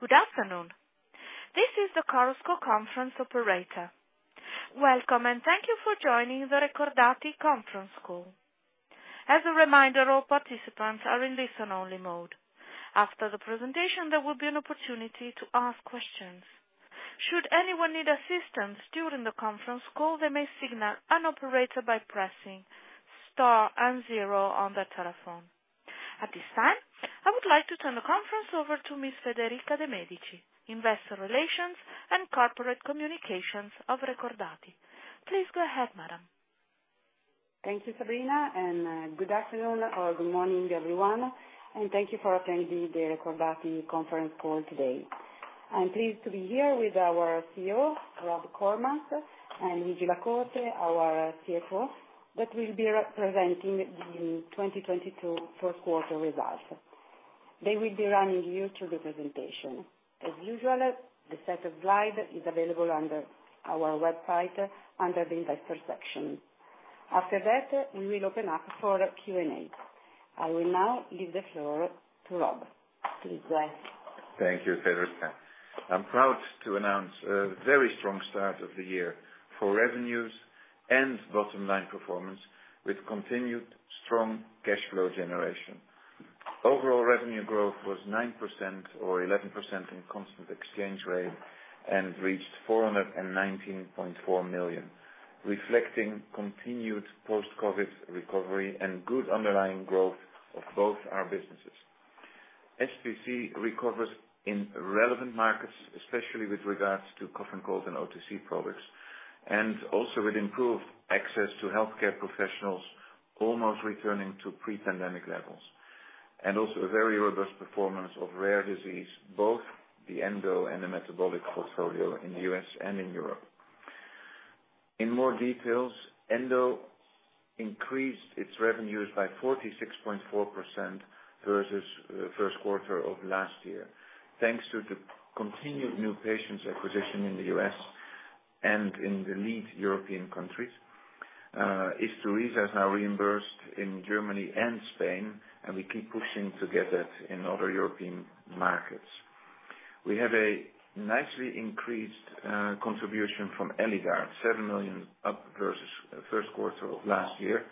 Good afternoon. This is the Chorus Call conference operator. Welcome, and thank you for joining the Recordati conference call. As a reminder, all participants are in listen-only mode. After the presentation, there will be an opportunity to ask questions. Should anyone need assistance during the conference call, they may signal an operator by pressing star and zero on their telephone. At this time, I would like to turn the conference over to Miss Federica De Medici, investor relations and corporate communications of Recordati. Please go ahead, madam. Thank you, Sabrina, and good afternoon or good morning, everyone, and thank you for attending the Recordati conference call today. I'm pleased to be here with our CEO, Rob Koremans, and Luigi La Corte, our CFO, that will be representing the 2022 Q1 results. They will be running you through the presentation. As usual, the set of slides is available on our website under the investor section. After that, we will open up for Q&A. I will now leave the floor to Rob. Please go ahead. Thank you, Federica. I'm proud to announce a very strong start of the year for revenues and bottom-line performance with continued strong cash flow generation. Overall revenue growth was 9% or 11% in constant exchange rate and reached 419.4 million, reflecting continued post-COVID recovery and good underlying growth of both our businesses. SPC recovers in relevant markets, especially with regards to cough and cold and OTC products, and also with improved access to healthcare professionals almost returning to pre-pandemic levels. A very robust performance of rare disease, both the Endo and the metabolic portfolio in the U.S. and in Europe. In more details, Endo increased its revenues by 46.4% versus Q1 of last year, thanks to the continued new patients acquisition in the U.S. and in the lead European countries. Isturisa is now reimbursed in Germany and Spain, and we keep pushing to get that in other European markets. We have a nicely increased contribution from Eligard, 7 million up versus Q1 of last year,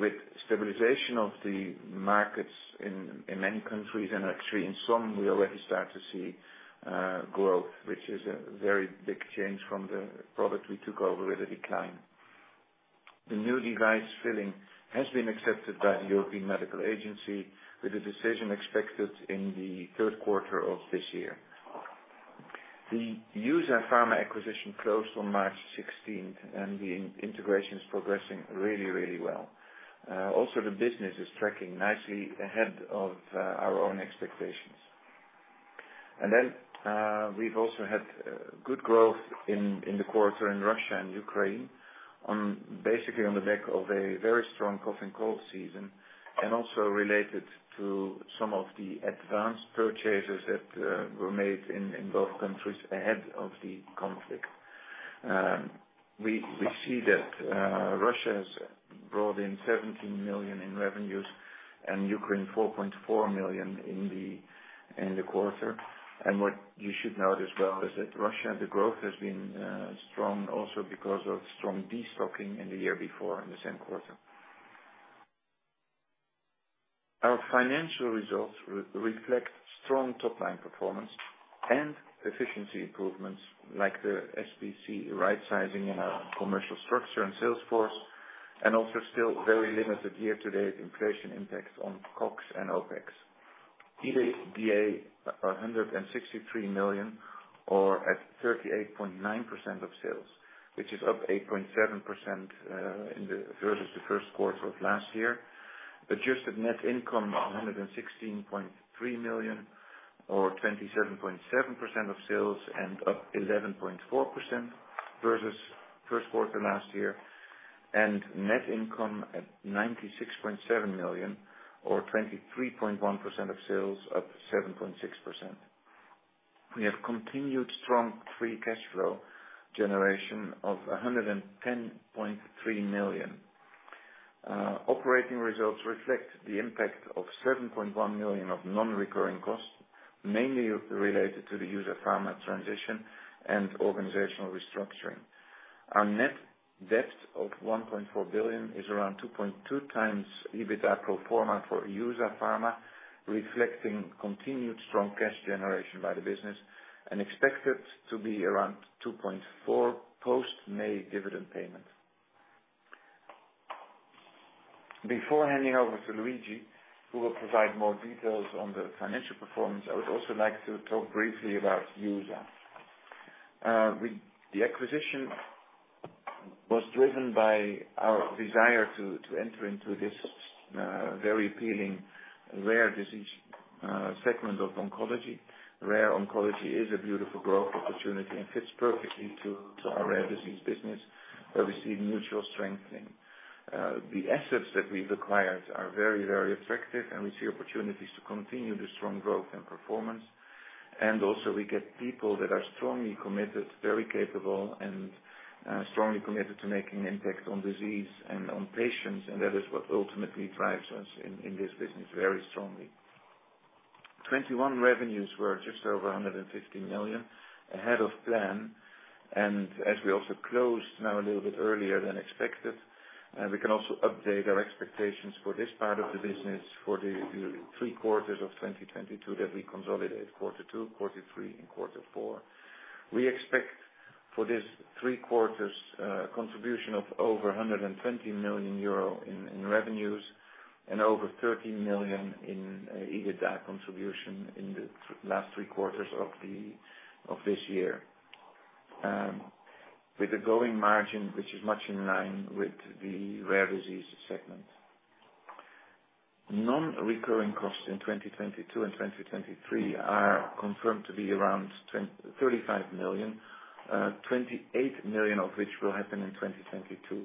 with stabilization of the markets in many countries, and actually in some we already start to see growth, which is a very big change from the product we took over with the decline. The new device filing has been accepted by the European Medicines Agency with a decision expected in the Q3 of this year. The EUSA Pharma acquisition closed on March 16th, and the integration is progressing really, really well. Also the business is tracking nicely ahead of our own expectations. We've also had good growth in the quarter in Russia and Ukraine on basically on the back of a very strong cough and cold season, and also related to some of the advanced purchases that were made in both countries ahead of the conflict. We see that Russia has brought in 17 million in revenues and Ukraine 4.4 million in the quarter. What you should note as well is that Russia, the growth has been strong also because of strong destocking in the year before in the same quarter. Our financial results reflect strong top-line performance and efficiency improvements like the SPC rightsizing in our commercial structure and sales force, and also still very limited year-to-date inflation impacts on COGS and OPEX. EBITDA, 163 million or at 38.9% of sales, which is up 8.7% versus the Q1 of last year. Adjusted net income, 116.3 million or 27.7% of sales and up 11.4% versus Q1 last year. Net income at 96.7 million or 23.1% of sales, up 7.6%. We have continued strong free cash flow generation of 110.3 million. Operating results reflect the impact of 7.1 million of non-recurring costs, mainly related to the EUSA Pharma transition and organizational restructuring. Our net debt of 1.4 billion is around 2.2x EBITDA pro forma for EUSA Pharma, reflecting continued strong cash generation by the business and expected to be around 2.4 post-May dividend payment. Before handing over to Luigi, who will provide more details on the financial performance, I would also like to talk briefly about EUSA Pharma. The acquisition was driven by our desire to enter into this very appealing rare disease segment of oncology. Rare oncology is a beautiful growth opportunity and fits perfectly to our rare disease business, where we see mutual strengthening. The assets that we've acquired are very, very attractive, and we see opportunities to continue the strong growth and performance. Also we get people that are strongly committed, very capable and strongly committed to making an impact on disease and on patients. That is what ultimately drives us in this business very strongly. 2021 revenues were just over 150 million ahead of plan. As we also closed now a little bit earlier than expected, we can also update our expectations for this part of the business for the three quarters of 2022 that we consolidate quarter two, quarter three and quarter four. We expect for this three quarters contribution of over 120 million euro in revenues and over 13 million in EBITDA contribution in the last three quarters of this year. With a growing margin which is much in line with the rare disease segment. Non-recurring costs in 2022 and 2023 are confirmed to be around 35 million, 28 million of which will happen in 2022.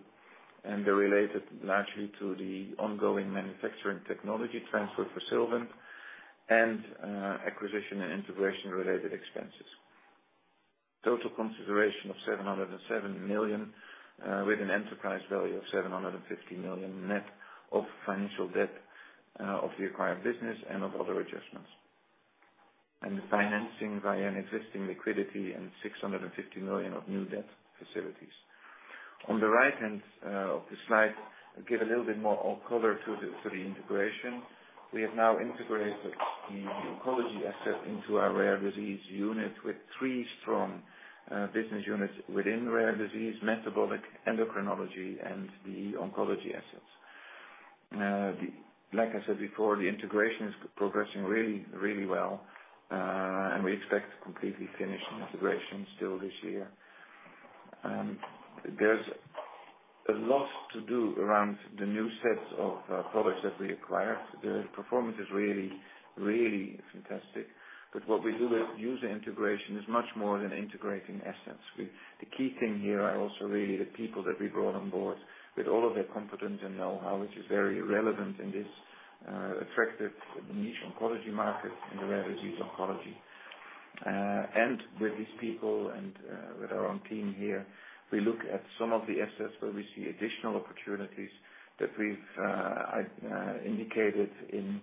They're related largely to the ongoing manufacturing technology transfer for Sylvant and acquisition and integration related expenses. Total consideration of 707 million with an enterprise value of 750 million net of financial debt of the acquired business and of other adjustments. The financing via an existing liquidity and 650 million of new debt facilities. On the right-hand of the slide, give a little bit more color to the integration. We have now integrated the oncology asset into our rare disease unit with three strong business units within rare disease, metabolic endocrinology, and the oncology assets. Like I said before, the integration is progressing really, really well. We expect to completely finish the integration still this year. There's a lot to do around the new sets of products that we acquired. The performance is really fantastic. What we do with EUSA integration is much more than integrating assets. The key thing here are also really the people that we brought on board with all of their competence and know-how, which is very relevant in this attractive niche oncology market, in the rare disease oncology. With these people and with our own team here, we look at some of the assets where we see additional opportunities that I've indicated in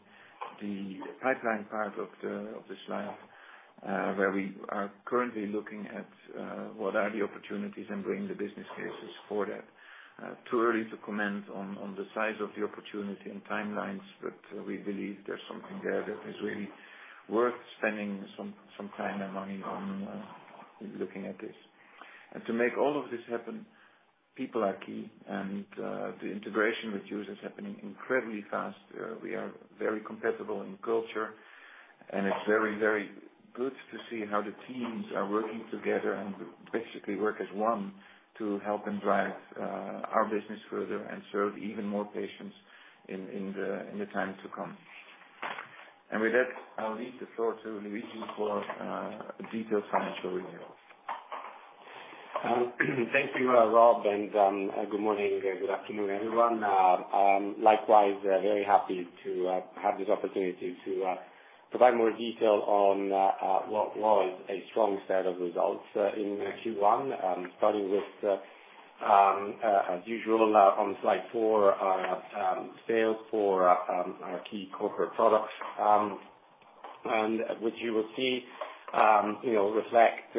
the pipeline part of the slide, where we are currently looking at what are the opportunities and bringing the business cases for that. Too early to comment on the size of the opportunity and timelines, but we believe there's something there that is really worth spending some time and money on, looking at this. To make all of this happen, people are key. The integration with users happening incredibly fast. We are very compatible in culture and it's very, very good to see how the teams are working together and basically work as one to help them drive our business further and serve even more patients in the time to come. With that, I'll leave the floor to Luigi for detailed financial review. Thank you, Rob, and good morning and good afternoon, everyone. Likewise, very happy to have this opportunity to provide more detail on what was a strong set of results in Q1. Starting with, as usual, on slide four, our sales for our key corporate products. What you will see, you know, reflect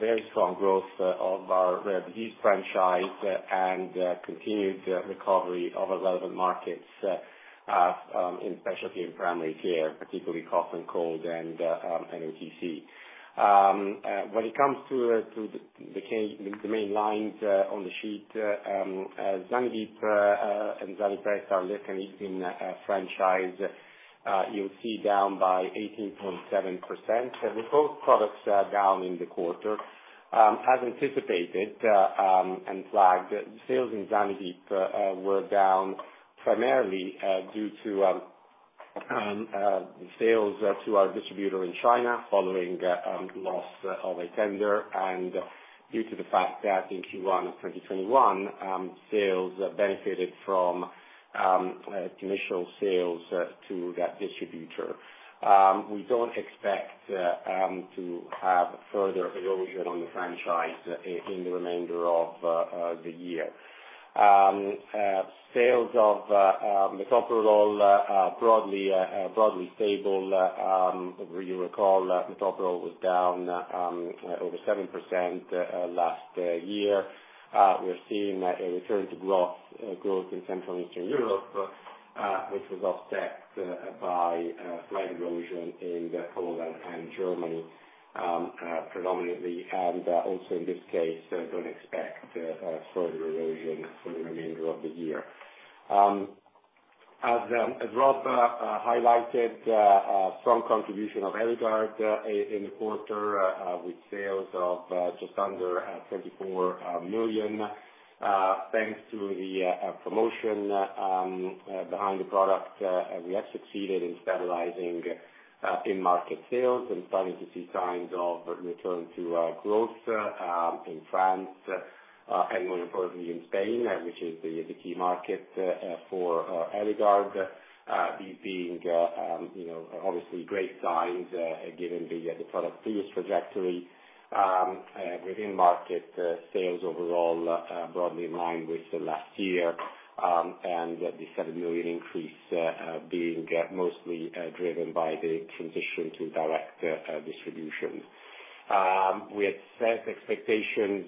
very strong growth of our rare disease franchise and continued recovery of relevant markets in specialty and primary care, particularly cough and cold and OTC. When it comes to the main lines on the sheet, Zanidip and Zanipress, our lercanidipine franchise, you'll see down by 18.7%. With both products are down in the quarter. As anticipated and flagged, sales in Zanidip were down primarily due to sales to our distributor in China following loss of a tender and due to the fact that in Q1 of 2021, sales benefited from initial sales to that distributor. We don't expect to have further erosion on the franchise in the remainder of the year. Sales of Metoprolol broadly stable. You recall Metoprolol was down over 7% last year. We're seeing a return to growth in Central and Eastern Europe, which was offset by slight erosion in the Netherlands and Germany, predominantly, and also, in this case, don't expect further erosion for the remainder of the year. As Rob highlighted, strong contribution of Eligard in the quarter, with sales of just under 24 million. Thanks to the promotion behind the product, we have succeeded in stabilizing in-market sales and signs of return to growth in France and more importantly in Spain, which is the key market for Eligard, these being, you know, obviously great signs given the product's previous trajectory, in-market sales overall broadly in line with the last year, and the 70 million increase being mostly driven by the transition to direct distribution. We had set expectations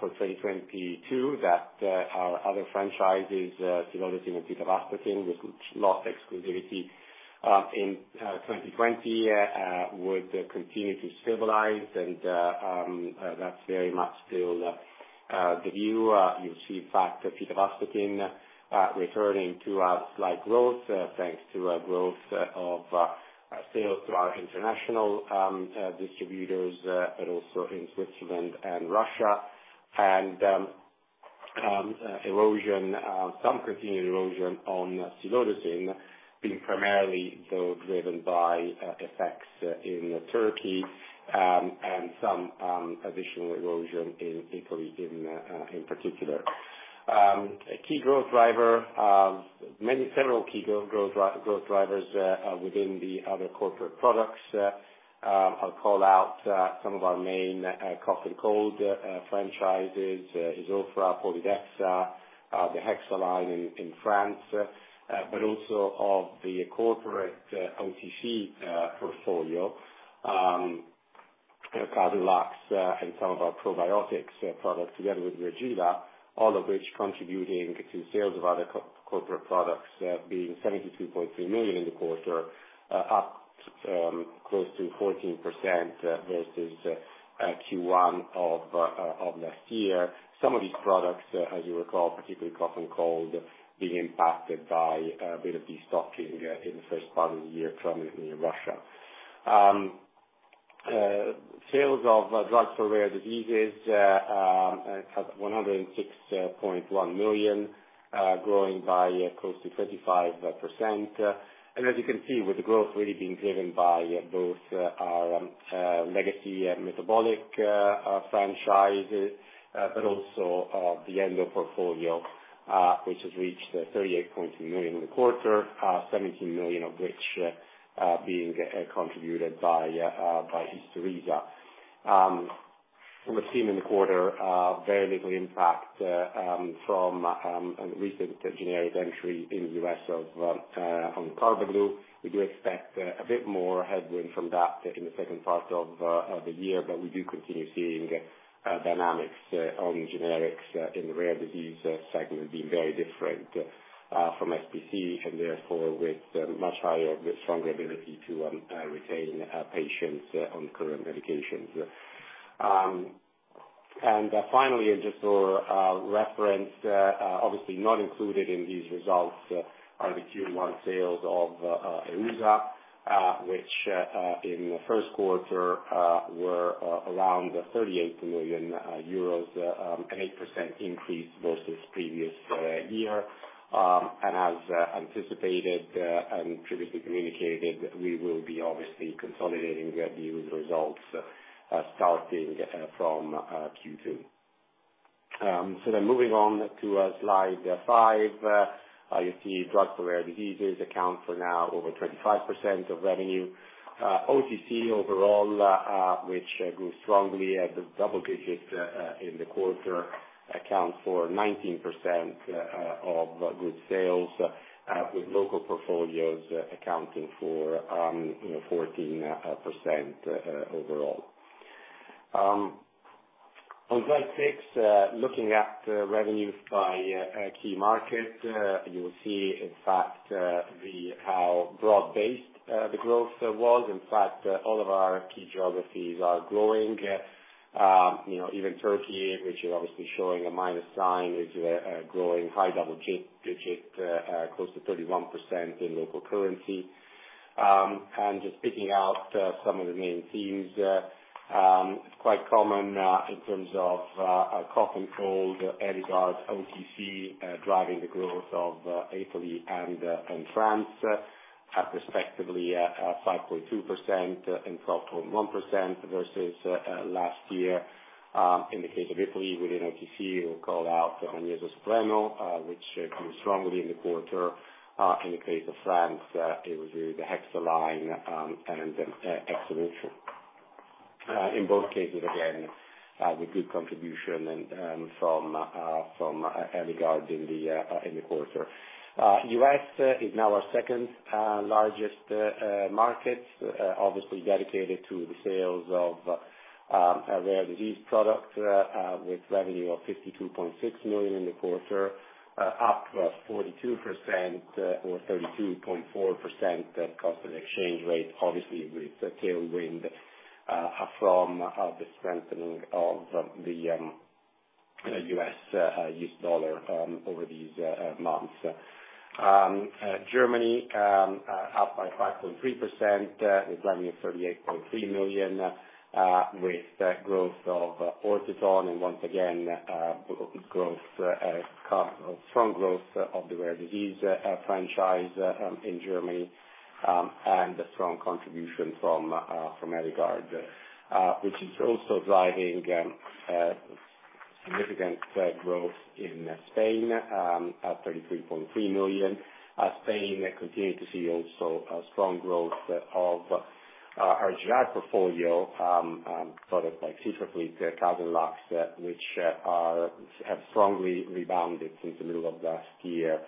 for 2022 that our other franchises, Silodosin and Pitavastatin, which lost exclusivity in 2020, would continue to stabilize and that's very much still the view. You'll see in fact Pitavastatin returning to a slight growth, thanks to a growth of sales to our international distributors, but also in Switzerland and Russia. Some continued erosion on Silodosin being primarily though driven by effects in Turkey, and some additional erosion in Italy in particular. A key growth driver, several key growth drivers within the other core products. I'll call out some of our main cough and cold franchises, Isofra, Polydexa, the Hexaspray line in France, but also the core OTC portfolio. Casenlax and some of our probiotics products together with Reagila, all of which contributing to sales of other corporate products, being 72.3 million in the quarter, up close to 14% versus Q1 of last year. Some of these products, as you recall, particularly cough and cold, being impacted by a bit of de-stocking in the first part of the year, predominantly in Russia. Sales of drugs for rare diseases, 106.1 million, growing by close to 35%. As you can see, with growth really being driven by both our legacy metabolic franchise, but also the Endo portfolio, which has reached 38.2 million in the quarter, 17 million of which being contributed by Isturisa. We've seen in the quarter very little impact from recent generic entry in the U.S. on Carbaglu. We do expect a bit more headwind from that in the second part of the year. We do continue seeing dynamics on generics in the rare disease segment being very different from SPC and therefore with much higher, stronger ability to retain patients on current medications. Finally, just for reference, obviously not included in these results are the Q1 sales of Isturisa, which in the Q1 were around 38 million euros, an 8% increase versus previous year. As anticipated and previously communicated, we will be obviously consolidating the EUSA and results starting from Q2. Moving on to slide five. You see drugs for rare diseases account for now over 25% of revenue. OTC overall, which grew strongly at double digits in the quarter, account for 19% of Group sales, with local portfolios accounting for, you know, 14% overall. On slide six, looking at revenues by key market, you will see in fact how broad-based the growth was. In fact, all of our key geographies are growing. You know, even Turkey, which is obviously showing a minus sign, is growing high double-digit, close to 31% in local currency. Just picking out some of the main themes, it's quite common in terms of our cough and cold, Eligard, OTC driving the growth of Italy and France at respectively 5.2% and 12.1% versus last year. In the case of Italy within OTC, we'll call out Magnesio Supremo, which grew strongly in the quarter. In the case of France, it was really the Hexaspray and Isofra. In both cases, again, with good contribution from Eligard in the quarter. U.S. is now our second largest market, obviously dedicated to the sales of our rare disease product, with revenue of $52.6 million in the quarter, up 42% or 32.4% constant exchange rate, obviously with a tailwind from the strengthening of the U.S. dollar over these months. Germany up by 5.3% with revenue of 38.3 million. With the growth of Ortoton and once again strong growth of the rare disease franchise in Germany and a strong contribution from Eligard, which is also driving significant growth in Spain at 33.3 million. Spain continue to see also a strong growth of our GI portfolio, products like Tysabri, Caldix, which have strongly rebounded since the middle of last year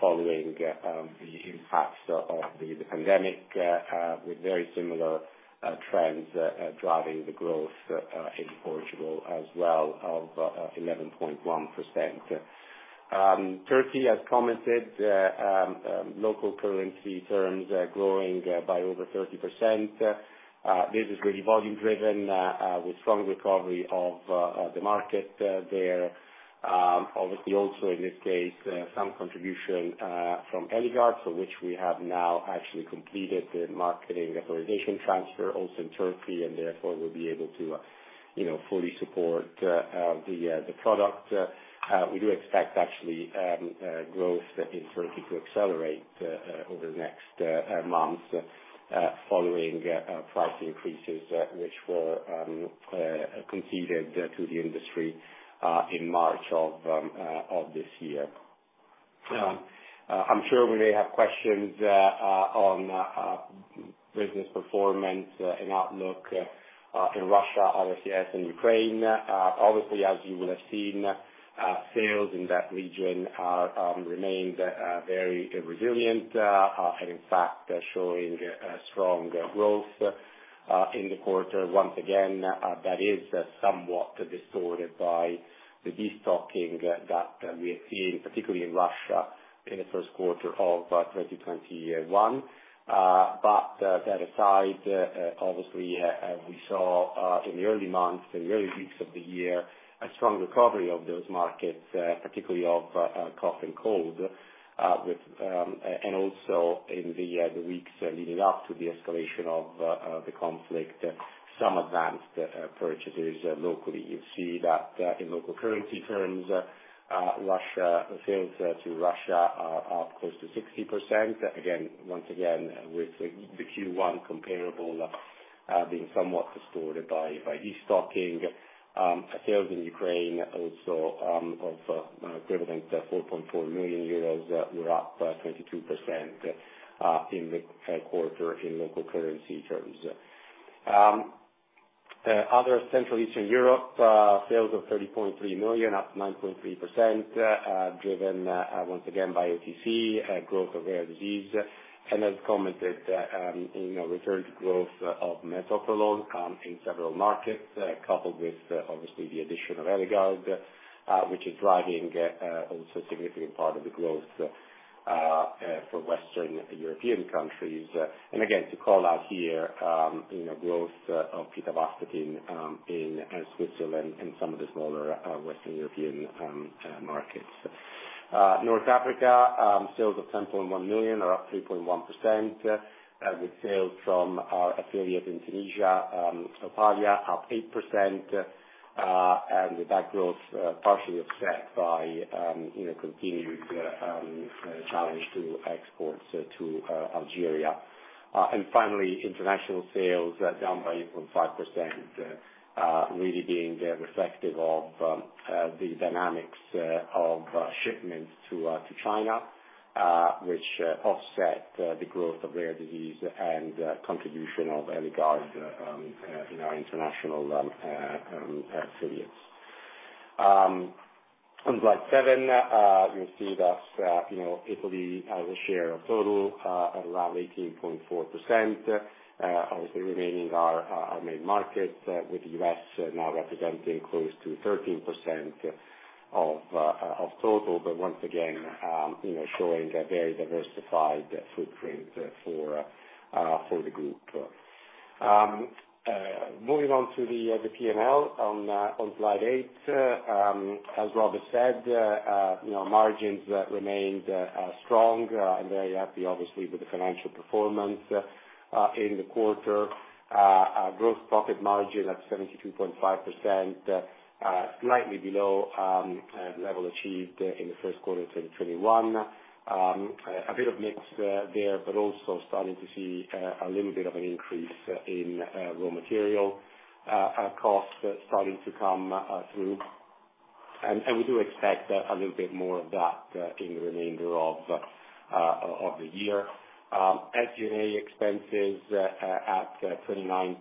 following the impacts of the pandemic with very similar trends driving the growth in Portugal as well of 11.1%. Turkey has come in local currency terms growing by over 30%. This is really volume driven, with strong recovery of the market there. Obviously also, in this case, some contribution from Eligard for which we have now actually completed the marketing authorization transfer also in Turkey and therefore will be able to, you know, fully support the product. We do expect actually growth in Turkey to accelerate over the next months following price increases which were conceded to the industry in March of this year. I'm sure we may have questions on business performance and outlook in Russia, obviously, as in Ukraine. Obviously, as you will have seen, sales in that region are remained very resilient and in fact showing a strong growth in the quarter. Once again, that is somewhat distorted by the destocking that we are seeing, particularly in Russia in the Q1 of 2021. That aside, obviously as we saw in the early months and early weeks of the year, a strong recovery of those markets, particularly of cough and cold, with and also in the weeks leading up to the escalation of the conflict. Some advanced purchases locally. You see that in local currency terms, Russia sales to Russia are close to 60%. Again, with the Q1 comparable being somewhat distorted by destocking, sales in Ukraine also of equivalent to 4.4 million euros. We're up by 22% in the Q3 in local currency terms. Other Central and Eastern Europe sales of 30.3 million, up 9.3%, driven once again by OTC growth of rare disease. As commented, you know, return to growth of Metoprolol in several markets, coupled with obviously the addition of Eligard, which is driving also a significant part of the growth for Western European countries. Again, to call out here, you know, growth of pitavastatin in Switzerland and some of the smaller Western European markets. North Africa sales of 10.1 million are up 3.1%, with sales from our affiliate in Tunisia, Opalia, up 8%, and with that growth partially offset by, you know, continued challenge to exports to Algeria. Finally, international sales down by 8.5%, really being reflective of the dynamics of shipments to China, which offset the growth of rare disease and contribution of Eligard, you know, international affiliates. On slide seven, you'll see that, you know, Italy has a share of total around 18.4%. Obviously remaining our main markets with the U.S. now representing close to 13% of total. Once again, you know, showing a very diversified footprint for the group. Moving on to the P&L on slide eight. As Robert said, you know, margins remained strong. Very happy obviously with the financial performance in the quarter. Gross profit margin at 72.5%, slightly below level achieved in the Q1 of 2021. A bit of mix there, but also starting to see a little bit of an increase in raw material cost starting to come through. We do expect a little bit more of that in the remainder of the year. SG&A expenses at 29%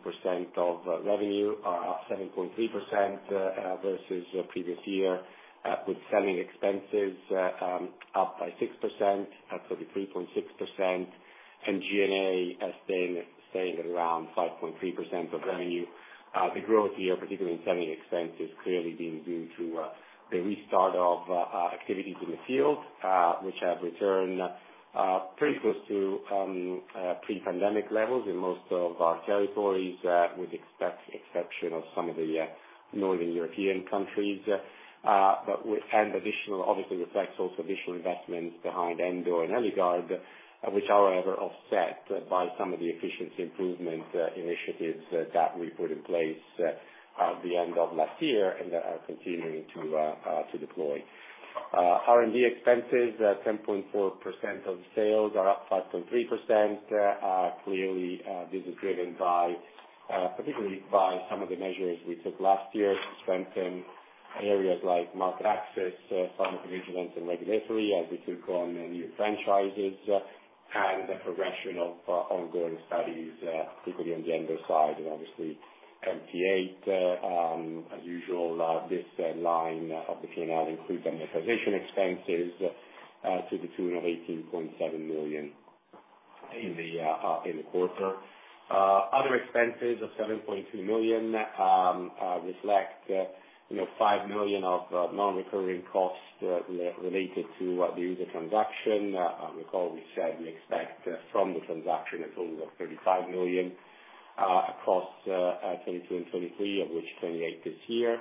of revenue, up 7.3% versus previous year, with selling expenses up by 6%, up to 3.6%. G&A has been staying at around 5.3% of revenue. The growth here, particularly in selling expenses, clearly being due to the restart of activities in the field, which have returned pretty close to pre-pandemic levels in most of our territories, with the exception of some of the Northern European countries. Obviously reflects also additional investments behind Endo and Eligard, which are offset by some of the efficiency improvement initiatives that we put in place at the end of last year and are continuing to deploy. R&D expenses at 10.4% of sales are up 5.3%. Clearly, this is driven particularly by some of the measures we took last year to strengthen areas like market access, pharmacovigilance and regulatory as we took on the new franchises, and the progression of ongoing studies, particularly on the endo side, and obviously R&D. As usual, this line of the P&L includes amortization expenses to the tune of 18.7 million in the quarter. Other expenses of 7.2 million reflect, you know, 5 million of non-recurring costs related to the EUSA transaction. I recall we said we expect from the transaction a total of 35 million across 2022 and 2023, of which 28 is here.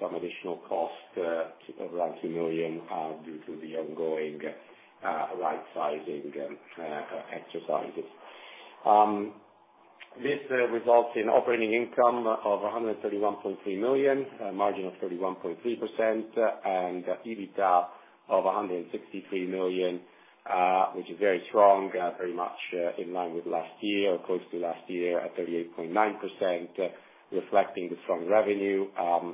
Some additional costs to around 2 million due to the ongoing right-sizing exercises. This results in operating income of 131.3 million, a margin of 31.3%, and EBITDA of 163 million, which is very strong, very much in line with last year or close to last year at 38.9%, reflecting the strong revenue,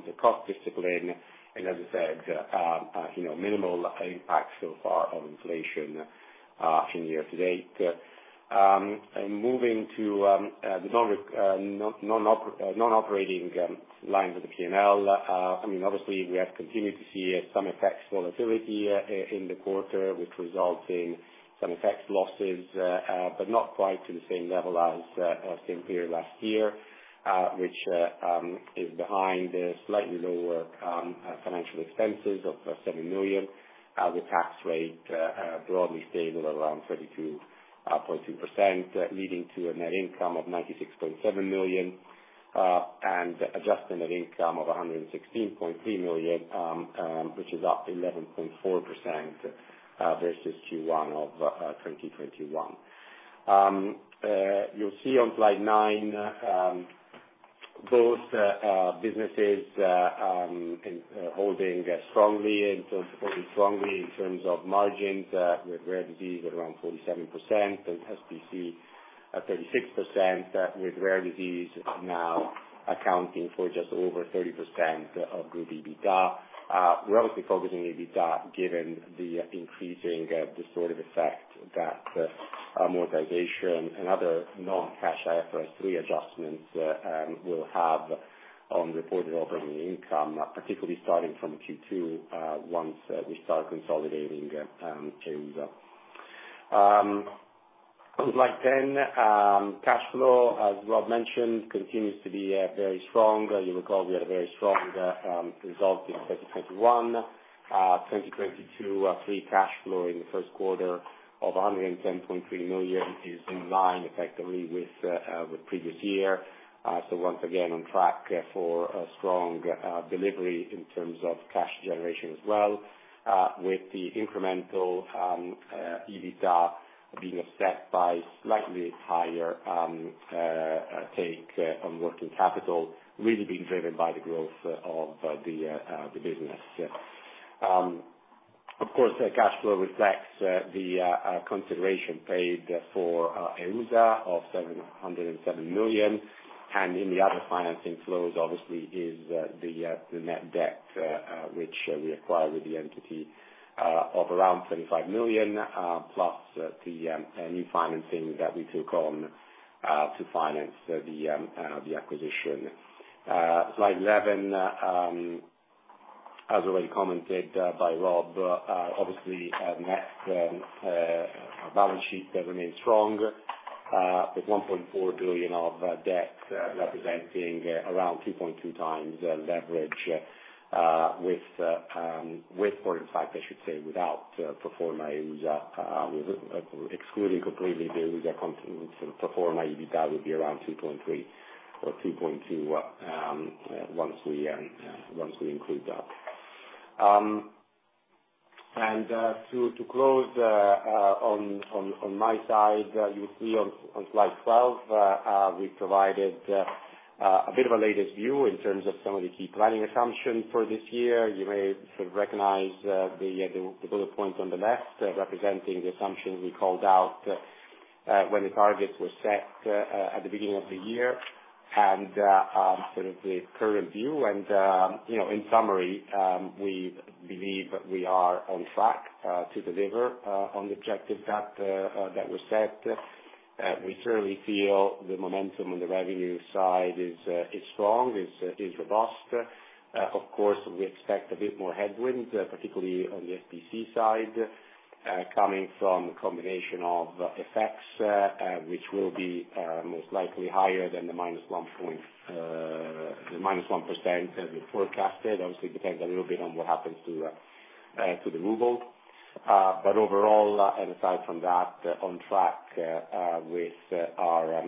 the cost discipline, and as I said, you know, minimal impact so far of inflation in year to date. Moving to the non-operating line of the P&L. I mean, obviously, we have continued to see some FX volatility in the quarter, which results in some FX losses, but not quite to the same level as same period last year, which is behind the slightly lower financial expenses of 7 million. The tax rate broadly stable around 32.2%, leading to a net income of 96.7 million, and adjusted net income of 116.3 million, which is up 11.4% versus Q1 of 2021. You'll see on slide nine, both businesses holding strongly in terms of margins with rare disease around 47% and SPC at 36%, with rare disease now accounting for just over 30% of group EBITDA. We're obviously focusing on EBITDA, given the increasing distortive effect that amortization and other non-cash IFRS three adjustments will have on reported operating income, particularly starting from Q2, once we start consolidating EUSA. Slide 10. Cash flow, as Rob mentioned, continues to be very strong. You recall we had a very strong result in 2021. 2022 free cash flow in the Q1 of 110.3 million is in line effectively with the previous year. So once again on track for a strong delivery in terms of cash generation as well, with the incremental EBITDA being offset by slightly higher take on working capital, really being driven by the growth of the business. Of course, the cash flow reflects the consideration paid for EUSA of 707 million. In the other financing flows obviously is the net debt which we acquired with the entity of around 25 million plus the new financing that we took on to finance the acquisition. Slide 11, as already commented by Rob, obviously our net balance sheet remains strong, with 1.4 billion of debt, representing around 2.2x leverage, with or in fact, I should say without pro forma EUSA, with excluding completely the EUSA contribution and pro forma EBITDA would be around 2.3 or 2.2, once we include that. To close on my side, you see on Slide 12, we've provided a bit of a latest view in terms of some of the key planning assumptions for this year. You may sort of recognize the bullet points on the left representing the assumptions we called out when the targets were set at the beginning of the year. Sort of the current view and you know, in summary, we believe we are on track to deliver on the objective that was set. We certainly feel the momentum on the revenue side is strong, robust. Of course, we expect a bit more headwinds, particularly on the SPC side, coming from a combination of effects, which will be most likely higher than the -1% as we forecasted obviously depends a little bit on what happens to the ruble. Overall, aside from that on track with our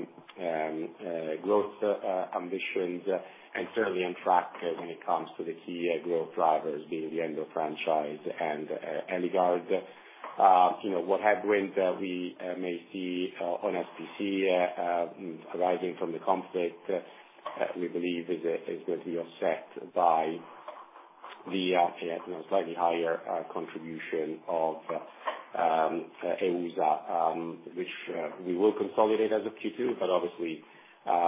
growth ambitions and certainly on track when it comes to the key growth drivers being the Endo franchise and Eligard. You know what headwind that we may see on SPC arising from the conflict, we believe is going to be offset by the you know, slightly higher contribution of EUSA, which we will consolidate as of Q2. Obviously,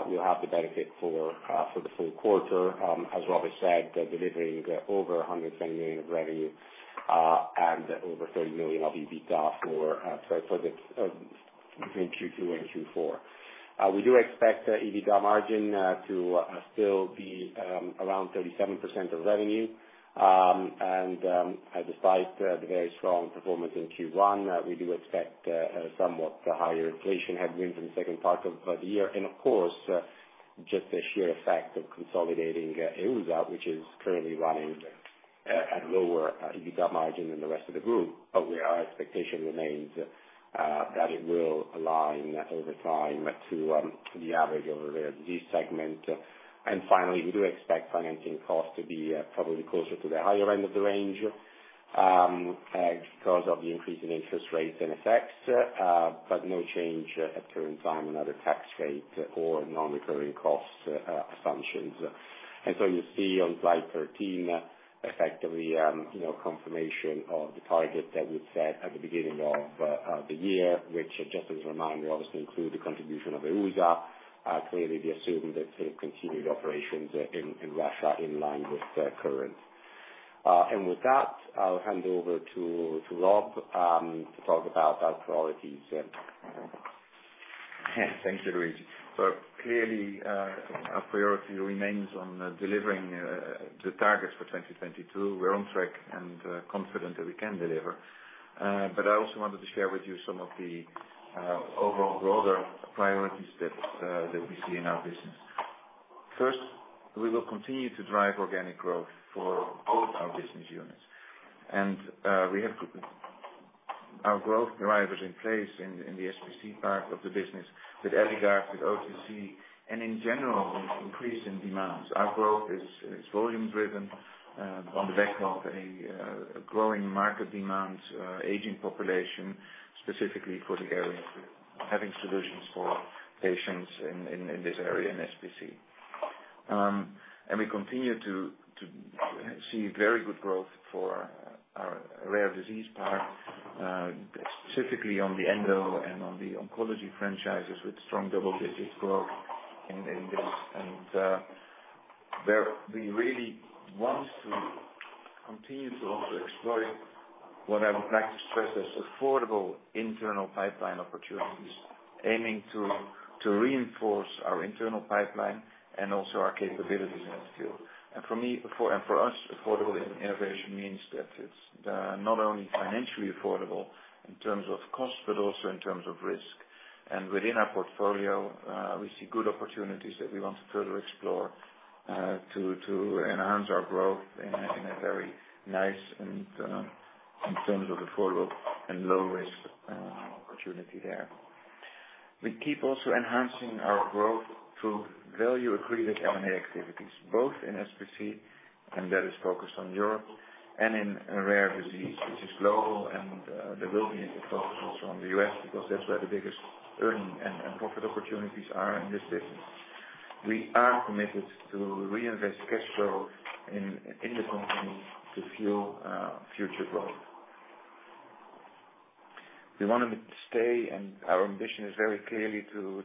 we'll have the benefit for the full quarter, as Rob has said, delivering over 110 million of revenue and over 30 million of EBITDA for the period between Q2 and Q4. We do expect the EBITDA margin to still be around 37% of revenue. Despite the very strong performance in Q1, we do expect somewhat higher inflation headwinds in the second part of the year. Of course, just the sheer effect of consolidating EUSA, which is currently running at lower EBITDA margin than the rest of the group. Our expectation remains that it will align over time to the average over the segment. Finally, we do expect financing costs to be probably closer to the higher end of the range, because of the increase in interest rates and effects. No change at the current time, another tax rate or non-recurring cost, assumptions. You see on slide 13, effectively, you know, confirmation of the target that we've set at the beginning of the year, which just as a reminder, obviously include the contribution of EUSA. Clearly the assumption that sort of continued operations in Russia in line with the current. With that, I'll hand over to Rob to talk about our priorities. Thank you, Luigi. Clearly, our priority remains on delivering the targets for 2022. We're on track and confident that we can deliver. I also wanted to share with you some of the overall broader priorities that we see in our business. First, we will continue to drive organic growth for both our business units. We have our growth drivers in place in the SPC part of the business with Eligard, with OTC. In general, increase in demands. Our growth is volume-driven, on the back of a growing market demand, aging population, specifically for the area, having solutions for patients in this area in SPC. We continue to see very good growth for our rare disease part, specifically on the Endo and on the oncology franchises with strong double-digit growth in this. We really want to continue to also explore what I would like to stress as affordable internal pipeline opportunities, aiming to reinforce our internal pipeline and also our capabilities in this field. For us, affordable innovation means that it's not only financially affordable in terms of cost, but also in terms of risk. Within our portfolio, we see good opportunities that we want to further explore to enhance our growth in a very nice and in terms of affordable and low risk opportunity there. We keep also enhancing our growth through value accretive M&A activities, both in SPC, and that is focused on Europe and in rare disease, which is global. There will be a focus also on the U.S., because that's where the biggest earning and profit opportunities are in this business. We are committed to reinvest cash flow in the company to fuel future growth. We want to stay and our ambition is very clearly to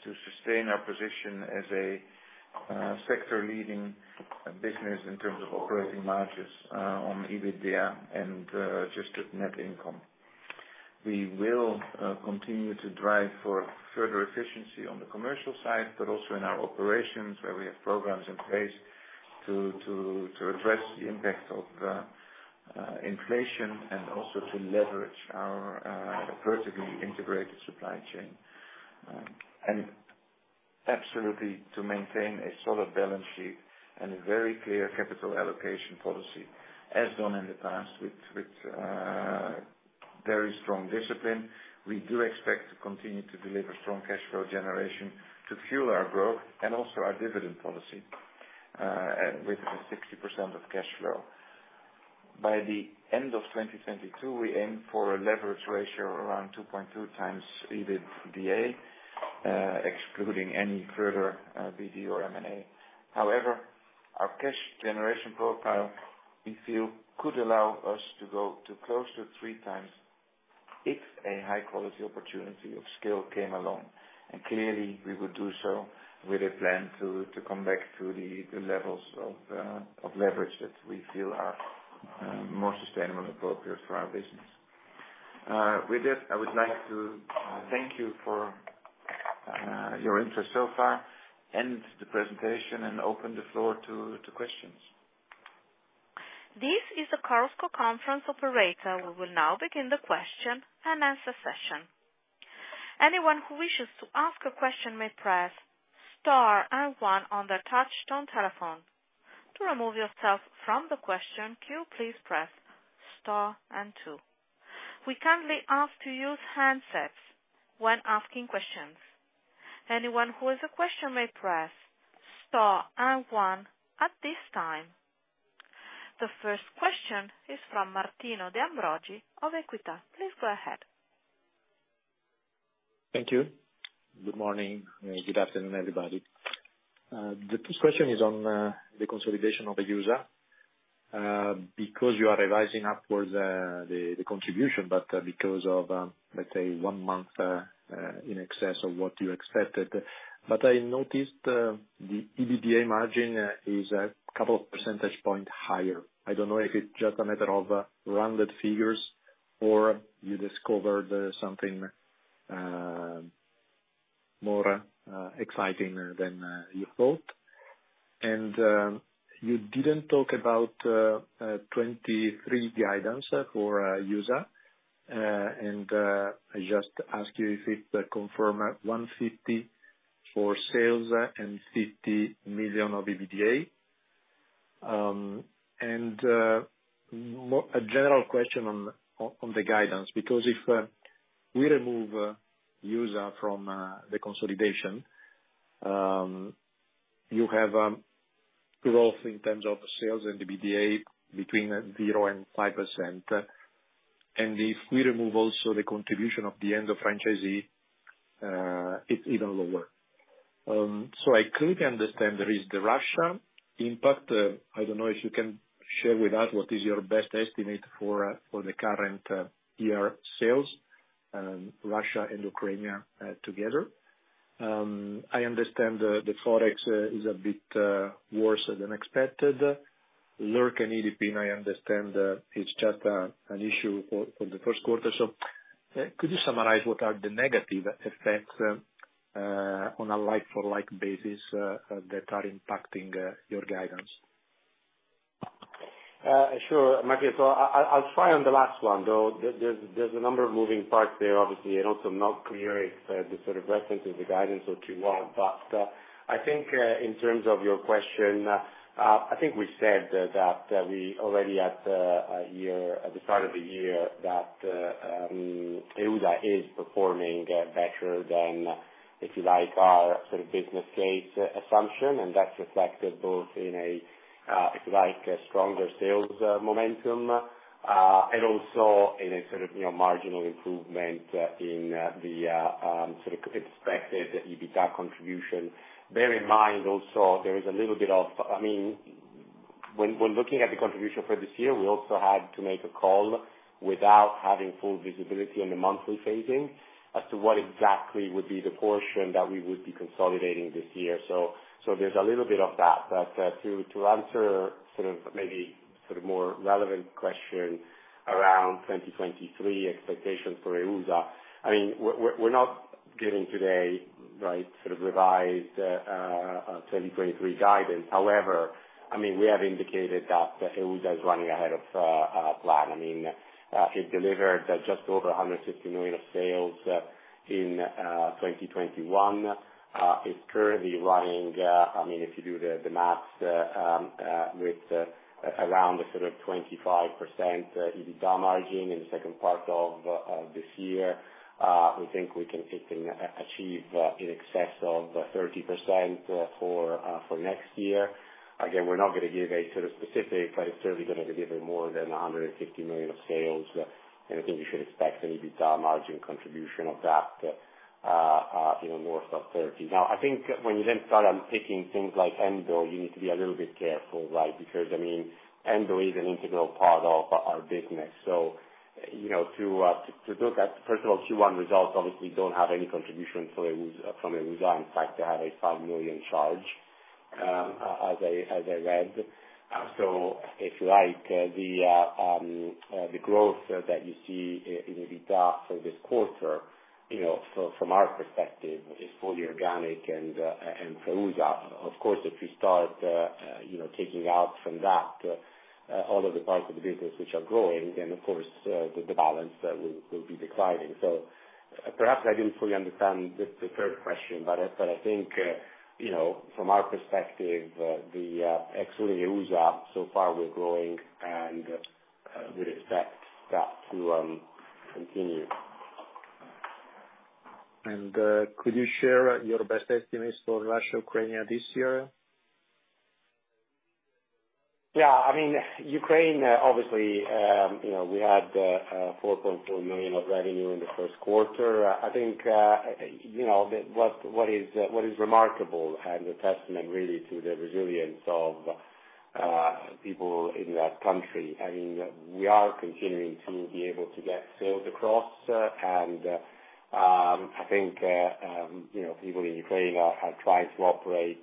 sustain our position as a sector-leading business in terms of operating margins on EBITDA and adjusted net income. We will continue to drive for further efficiency on the commercial side, but also in our operations where we have programs in place to address the impact of inflation and also to leverage our vertically integrated supply chain. Absolutely to maintain a solid balance sheet and a very clear capital allocation policy, as done in the past with very strong discipline. We do expect to continue to deliver strong cash flow generation to fuel our growth and also our dividend policy with 60% of cash flow. By the end of 2022, we aim for a leverage ratio around 2.2x EBITDA, excluding any further BD or M&A. However, our cash generation profile, we feel, could allow us to go to close to 3x if a high-quality opportunity of scale came along. Clearly, we would do so with a plan to come back to the levels of leverage that we feel are more sustainable and appropriate for our business. With that, I would like to thank you for your interest so far. End the presentation and open the floor to questions. This is the Chorus Call Conference Operator. We will now begin the question and answer session. Anyone who wishes to ask a question may press star and one on their touchtone telephone. To remove yourself from the question queue, please press star and two. We kindly ask to use handsets when asking questions. Anyone who has a question may press star and one at this time. The first question is from Martino De Ambroggi on Equita SIM. Please go ahead. Thank you. Good morning. Good afternoon, everybody. The first question is on the consolidation of EUSA, because you are revising upwards the contribution, but because of, let's say, one month in excess of what you expected. I noticed the EBITDA margin is a couple of percentage point higher. I don't know if it's just a matter of rounded figures or you discovered something more exciting than you thought. You didn't talk about 2023 guidance for EUSA. I just ask you if it confirm at 150 million for sales and 50 million of EBITDA. A general question on the guidance, because if we remove EUSA from the consolidation, you have growth in terms of sales and EBITDA between 0%-5%. If we remove also the contribution of the Endo franchise, it's even lower. I could understand there is the Russia impact. I don't know if you can share with us what is your best estimate for the current year sales, Russia and Ukraine, together. I understand the forex is a bit worse than expected. Lercanidip and Zanidip, I understand, it's just an issue for the Q1. Could you summarize what are the negative effects on a like-for-like basis that are impacting your guidance? Sure, Martino. I'll try on the last one, though. There's a number of moving parts there, obviously, and also not clear if the sort of reference is the guidance or Q1. I think, in terms of your question, I think we said that we already at the start of the year that EUSA is performing better than, if you like, our sort of business case assumption. That's reflected both in, if you like, a stronger sales momentum, and also in a sort of, you know, marginal improvement in the sort of expected EBITDA contribution. Bear in mind also there is a little bit of. I mean, when looking at the contribution for this year, we also had to make a call without having full visibility on the monthly phasing as to what exactly would be the portion that we would be consolidating this year. There's a little bit of that. To answer sort of maybe sort of more relevant question around 2023 expectation for EUSA, I mean, we're not giving today, right, sort of revised 2023 guidance. However, I mean, we have indicated that EUSA is running ahead of plan. I mean, it delivered just over 150 million of sales in 2021. It's currently running, I mean, if you do the math, with around a sort of 25% EBITDA margin in the second part of this year, we think it can achieve in excess of 30% for next year. Again, we're not gonna give a sort of specific, but it's certainly gonna be giving more than 150 million of sales. I think you should expect an EBITDA margin contribution of that, you know, north of 30. Now, I think when you then start on taking things like Endo, you need to be a little bit careful, right? Because, I mean, Endo is an integral part of our business. You know, to look at first of all Q1 results, obviously don't have any contribution from EUSA. In fact, they have a 5 million charge, as I read. If you like, the growth that you see in EBITDA for this quarter, you know, from our perspective is fully organic and for EUSA. Of course, if you start, you know, taking out from that all of the parts of the business which are growing, then of course, the balance will be declining. Perhaps I didn't fully understand the third question, but I think, you know, from our perspective, the. Actually EUSA so far we're growing and we expect that to continue. Could you share your best estimates for Russia, Ukraine this year? Yeah, I mean, Ukraine, obviously, you know, we had 4.4 million of revenue in the Q1. I think you know, what is remarkable and a testament really to the resilience of people in that country. I mean, we are continuing to be able to get sales across, and I think you know, people in Ukraine are trying to operate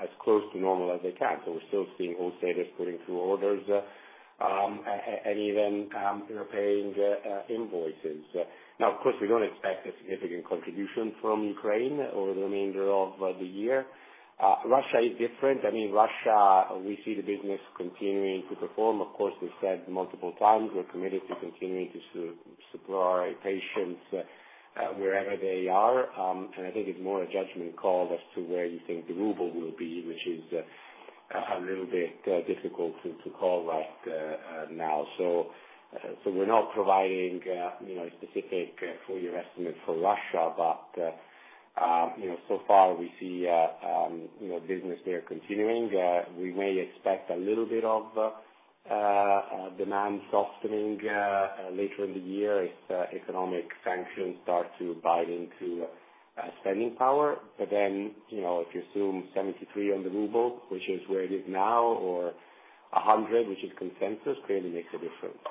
as close to normal as they can. We're still seeing wholesalers putting through orders, and even you know, paying invoices. Now, of course, we don't expect a significant contribution from Ukraine over the remainder of the year. Russia is different. I mean, Russia, we see the business continuing to perform. Of course, we've said multiple times we're committed to continuing to supply patients wherever they are. I think it's more a judgment call as to where you think the ruble will be, which is a little bit difficult to call right now. We're not providing you know a specific full year estimate for Russia. You know, so far we see you know business there continuing. We may expect a little bit of demand softening later in the year if economic sanctions start to bite into spending power. You know, if you assume 73 on the ruble, which is where it is now, or 100, which is consensus, clearly makes a difference.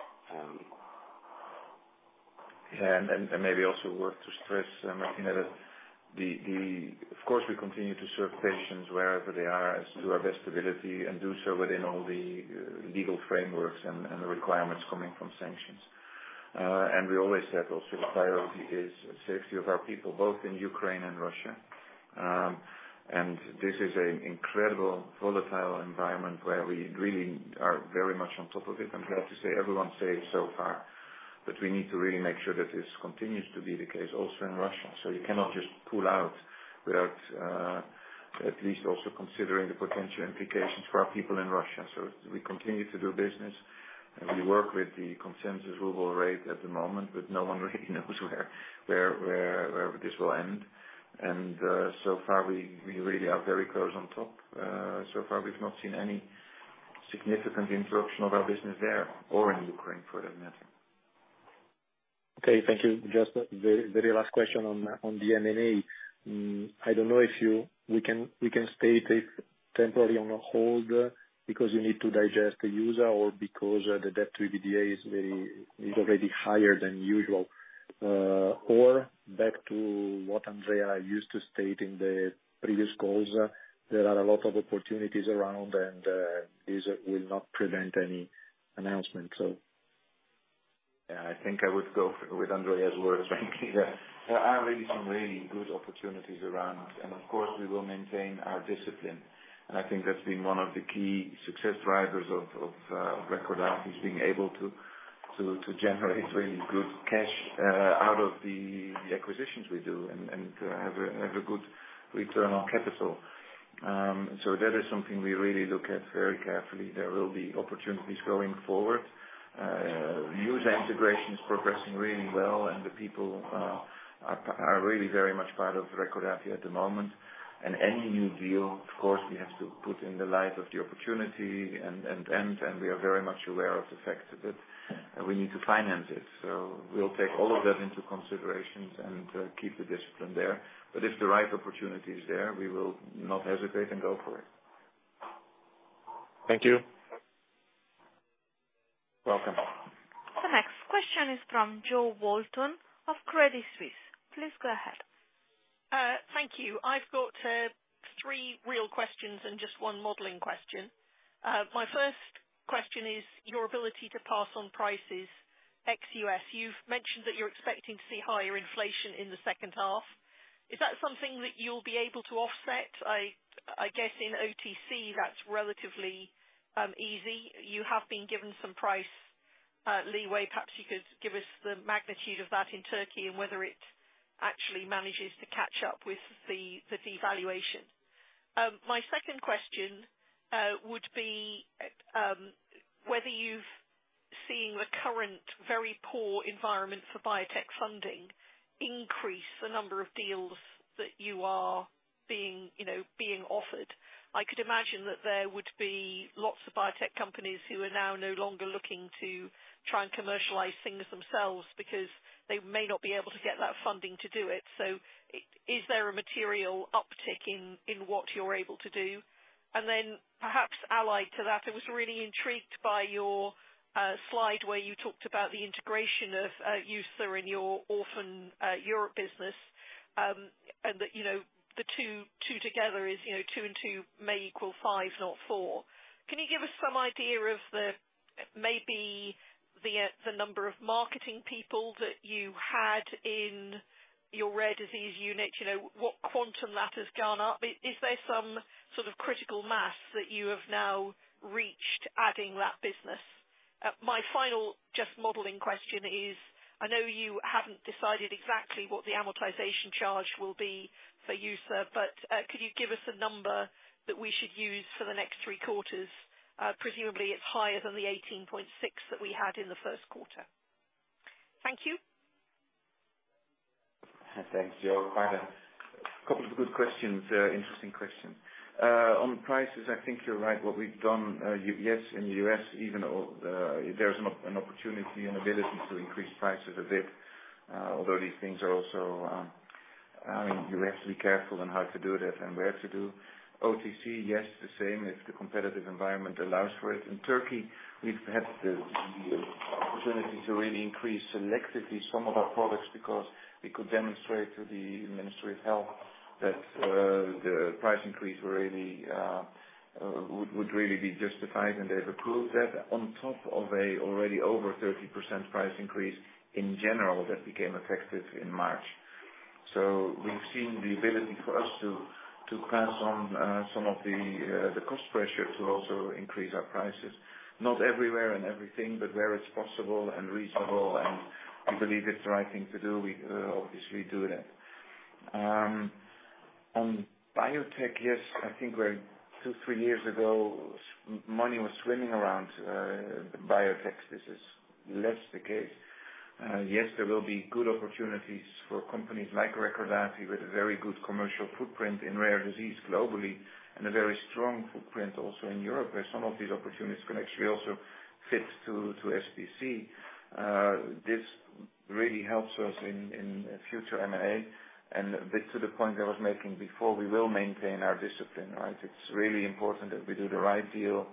Yeah. Maybe also worth to stress, Martino. Of course, we continue to serve patients wherever they are to the best of our ability and do so within all the legal frameworks and the requirements coming from sanctions. We always said also the priority is safety of our people, both in Ukraine and Russia. This is an incredibly volatile environment where we really are very much on top of it. I'm glad to say everyone's safe so far, but we need to really make sure that this continues to be the case also in Russia. You cannot just pull out without at least also considering the potential implications for our people in Russia. We continue to do business, and we work with the consensus ruble rate at the moment, but no one really knows where this will end. So far we really are very close on top. So far we've not seen any significant interruption of our business there or in Ukraine for that matter. Okay. Thank you. Just the very last question on the M&A. I don't know if we can state it temporarily on hold because you need to digest the EUSA or because the debt to EBITDA is already higher than usual. Or back to what Andrea used to state in the previous calls, there are a lot of opportunities around and this will not prevent any announcement. Yeah, I think I would go with Andrea's words. There are really some good opportunities around, and of course, we will maintain our discipline. I think that's been one of the key success drivers of Recordati, is being able to generate really good cash out of the acquisitions we do and have a good return on capital. So that is something we really look at very carefully. There will be opportunities going forward. EUSA integration is progressing really well, and the people are really very much part of Recordati at the moment. Any new deal, of course, we have to put in the light of the opportunity and we are very much aware of the fact that we need to finance it. We'll take all of that into considerations and keep the discipline there. If the right opportunity is there, we will not hesitate and go for it. Thank you. Welcome. The next question is from Jo Walton of Credit Suisse. Please go ahead. Thank you. I've got three real questions and just one modeling question. My first question is your ability to pass on prices ex-U.S. You've mentioned that you're expecting to see higher inflation in the H2. Is that something that you'll be able to offset? I guess in OTC that's relatively easy. You have been given some price leeway. Perhaps you could give us the magnitude of that in Turkey and whether it actually manages to catch up with the devaluation. My second question would be whether you've seen the current very poor environment for biotech funding increase the number of deals that you are being you know offered. I could imagine that there would be lots of biotech companies who are now no longer looking to try and commercialize things themselves because they may not be able to get that funding to do it. Is there a material uptick in what you're able to do? Perhaps allied to that, I was really intrigued by your slide where you talked about the integration of EUSA in your Orphan Europe business. That, you know, the two together is, you know, two and two may equal five, not four. Can you give us some idea of maybe the number of marketing people that you had in your rare disease unit? You know, what quantum that has gone up. Is there some sort of critical mass that you have now reached adding that business? My final just modeling question is, I know you haven't decided exactly what the amortization charge will be for EUSA, but could you give us a number that we should use for the next three quarters? Presumably it's higher than the 18.6 that we had in the Q1. Thank you. Thanks, Jo. Quite a couple of good questions there. Interesting questions. On prices, I think you're right. What we've done, yes, in the U.S., even if there's an opportunity and ability to increase prices a bit, although these things are also, I mean, you have to be careful on how to do that and where to do. OTC, yes, the same if the competitive environment allows for it. In Turkey, we've had the opportunity to really increase selectively some of our products because we could demonstrate to the Ministry of Health that the price increase really would really be justified, and they've approved that on top of a already over 30% price increase in general that became effective in March. We've seen the ability for us to pass on some of the cost pressure to also increase our prices. Not everywhere and everything, but where it's possible and reasonable, and we believe it's the right thing to do, we obviously do that. On biotech, yes, I think where two, three years ago some money was swimming around the biotech, this is less the case. Yes, there will be good opportunities for companies like Recordati with a very good commercial footprint in rare disease globally, and a very strong footprint also in Europe, where some of these opportunities can actually also fit to SPC. This really helps us in future M&A. A bit to the point I was making before, we will maintain our discipline, right? It's really important that we do the right deal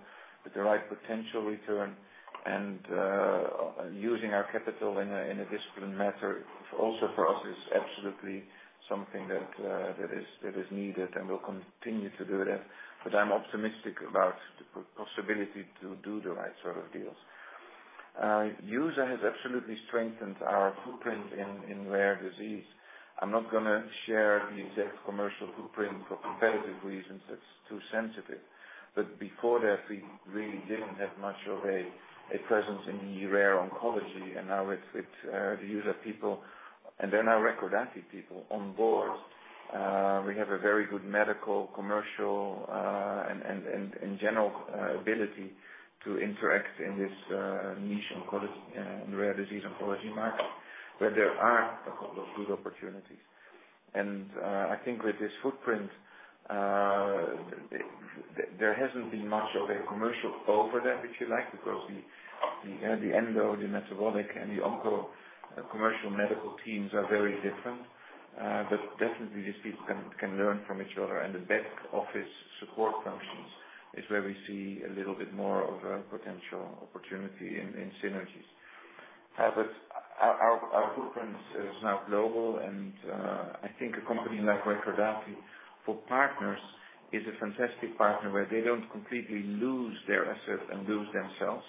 with the right potential return and using our capital in a disciplined manner also for us is absolutely something that is needed, and we'll continue to do that. I'm optimistic about the possibility to do the right sort of deals. EUSA has absolutely strengthened our footprint in rare disease. I'm not gonna share the exact commercial footprint for competitive reasons. It's too sensitive. Before that, we really didn't have much of a presence in the rare oncology, and now with the EUSA people, and they're now Recordati people on board, we have a very good medical, commercial, and general ability to interact in this niche oncology rare disease oncology market, where there are a couple of good opportunities. I think with this footprint, there hasn't been much of a commercial overlap, if you like, because the Endo, the metabolic, and the onco commercial medical teams are very different. But definitely these people can learn from each other, and the back office support functions is where we see a little bit more of a potential opportunity in synergies. But our footprint is now global, and I think a company like Recordati, for partners, is a fantastic partner where they don't completely lose their asset and lose themselves,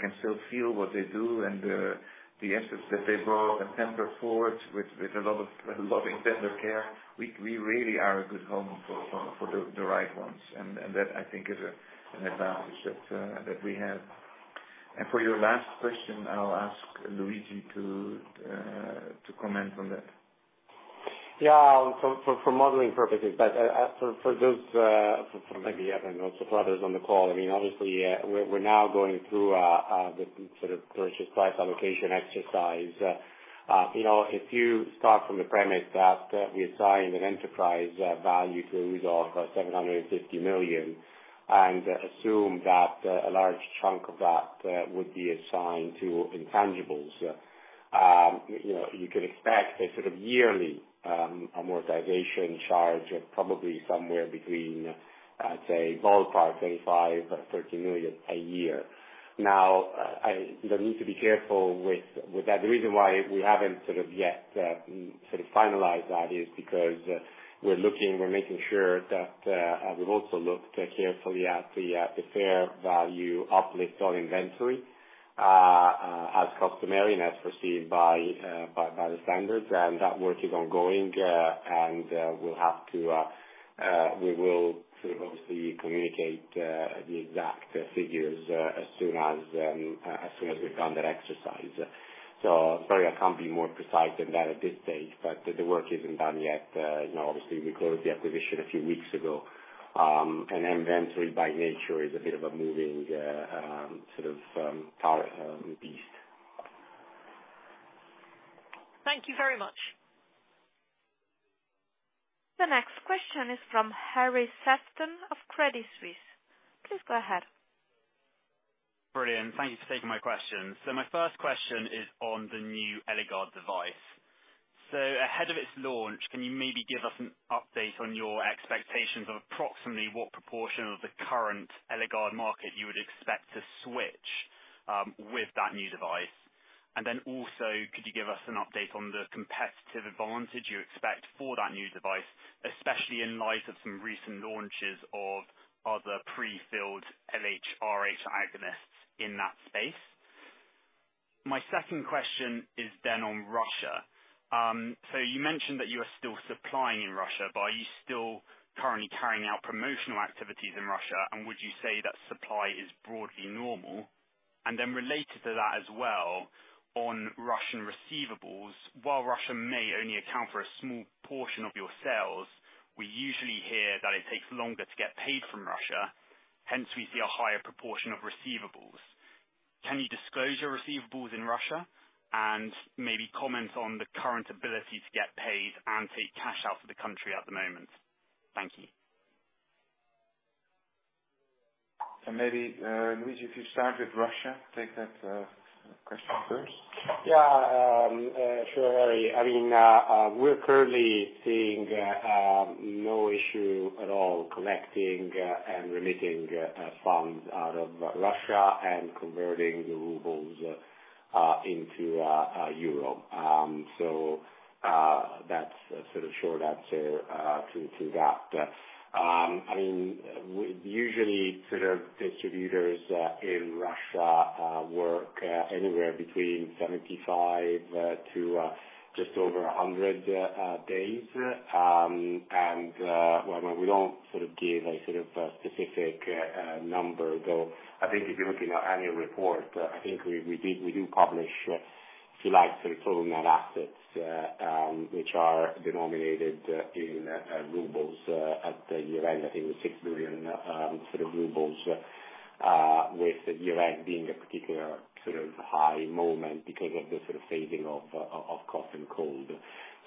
can still feel what they do and the assets that they brought and then put forward with a lot of tender care. We really are a good home for the right ones. That I think is an advantage that we have. For your last question, I'll ask Luigi to comment on that. Yeah. For modeling purposes, for those maybe Evan and also for others on the call, I mean, obviously, we're now going through the sort of purchase price allocation exercise. You know, if you start from the premise that we assign an enterprise value to EUSA of 750 million, and assume that a large chunk of that would be assigned to intangibles, you know, you could expect a sort of yearly amortization charge of probably somewhere between, I'd say, ballpark 25-30 million a year. Now, we need to be careful with that. The reason why we haven't sort of yet sort of finalized that is because we're looking, we're making sure that we've also looked carefully at the fair value uplift on inventory as customary and as perceived by the standards. That work is ongoing. We will sort of obviously communicate the exact figures as soon as we've done that exercise. Sorry I can't be more precise than that at this stage, but the work isn't done yet. You know, obviously we closed the acquisition a few weeks ago. Inventory by nature is a bit of a moving sort of target beast. Thank you very much. The next question is from Harry Sefton of Credit Suisse. Please go ahead. Brilliant. Thank you for taking my question. My first question is on the new Eligard device. Ahead of its launch, can you maybe give us an update on your expectations of approximately what proportion of the current Eligard market you would expect to switch with that new device? And then also, could you give us an update on the competitive advantage you expect for that new device, especially in light of some recent launches of other pre-filled LHRH agonists in that space? My second question is on Russia. You mentioned that you are still supplying in Russia, but are you still currently carrying out promotional activities in Russia, and would you say that supply is broadly normal? And then related to that as well, on Russian receivables. While Russia may only account for a small portion of your sales, we usually hear that it takes longer to get paid from Russia, hence we see a higher proportion of receivables. Can you disclose your receivables in Russia and maybe comment on the current ability to get paid and take cash out of the country at the moment? Maybe, Luigi, if you start with Russia, take that question first. Yeah. Sure, Harry. I mean, we're currently seeing no issue at all collecting and remitting funds out of Russia and converting the rubles into euro. That's the sort of short answer to that. I mean, we usually our distributors in Russia work anywhere between 75 to just over 100 days. Well, we don't sort of give a sort of a specific number, though. I think if you're looking at annual report, I think we do publish slides sort of total net assets, which are denominated in rubles at the year end, I think 6 billion sort of rubles, with the year end being a particular sort of high moment because of the sort of fading of cough and cold.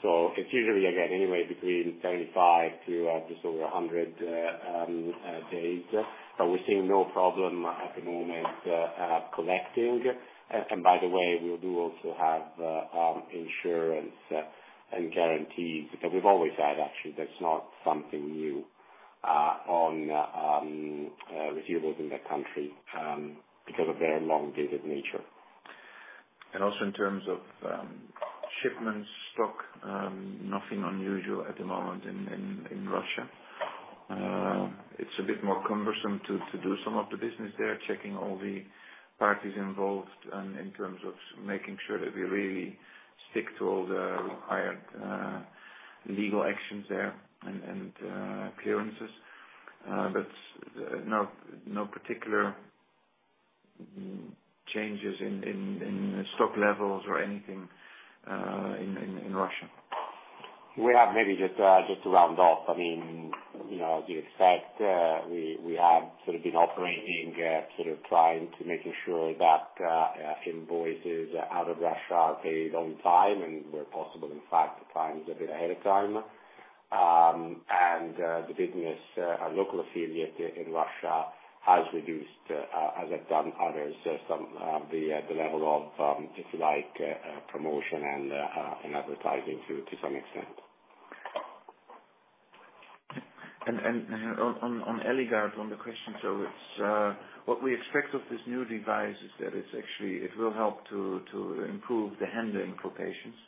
It's usually, again, anyway, between 75 to just over 100 days. We're seeing no problem at the moment collecting. By the way, we do also have insurance and guarantees, which we've always had actually. That's not something new on receivables in that country because of their long-dated nature. Also in terms of shipments stock, nothing unusual at the moment in Russia. It's a bit more cumbersome to do some of the business there, checking all the parties involved and in terms of making sure that we really stick to all the required legal actions there and clearances. No particular changes in stock levels or anything in Russia. We have maybe just to round off. I mean, you know, as you expect, we have sort of been operating, sort of trying to make sure that invoices out of Russia are paid on time and where possible in fact, sometimes a bit ahead of time. The business, our local affiliate in Russia has reduced, as others have done, some of the level of, if you like, promotion and advertising to some extent. On Eligard, on the question, what we expect of this new device is that it's actually it will help to improve the handling for patients.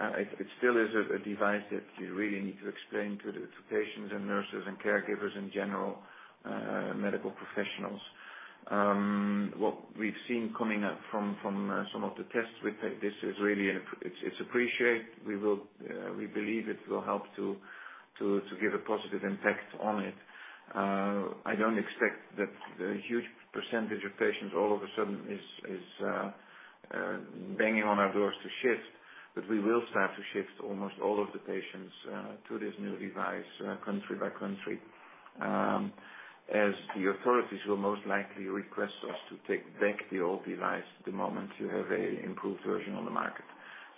It still is a device that you really need to explain to the patients and nurses and caregivers in general, medical professionals. What we've seen coming up from some of the tests we've had, this is really appreciated. We believe it will help to give a positive impact on it. I don't expect that the huge percentage of patients all of a sudden is banging on our doors to shift, but we will start to shift almost all of the patients to this new device country by country, as the authorities will most likely request us to take back the old device the moment you have an improved version on the market.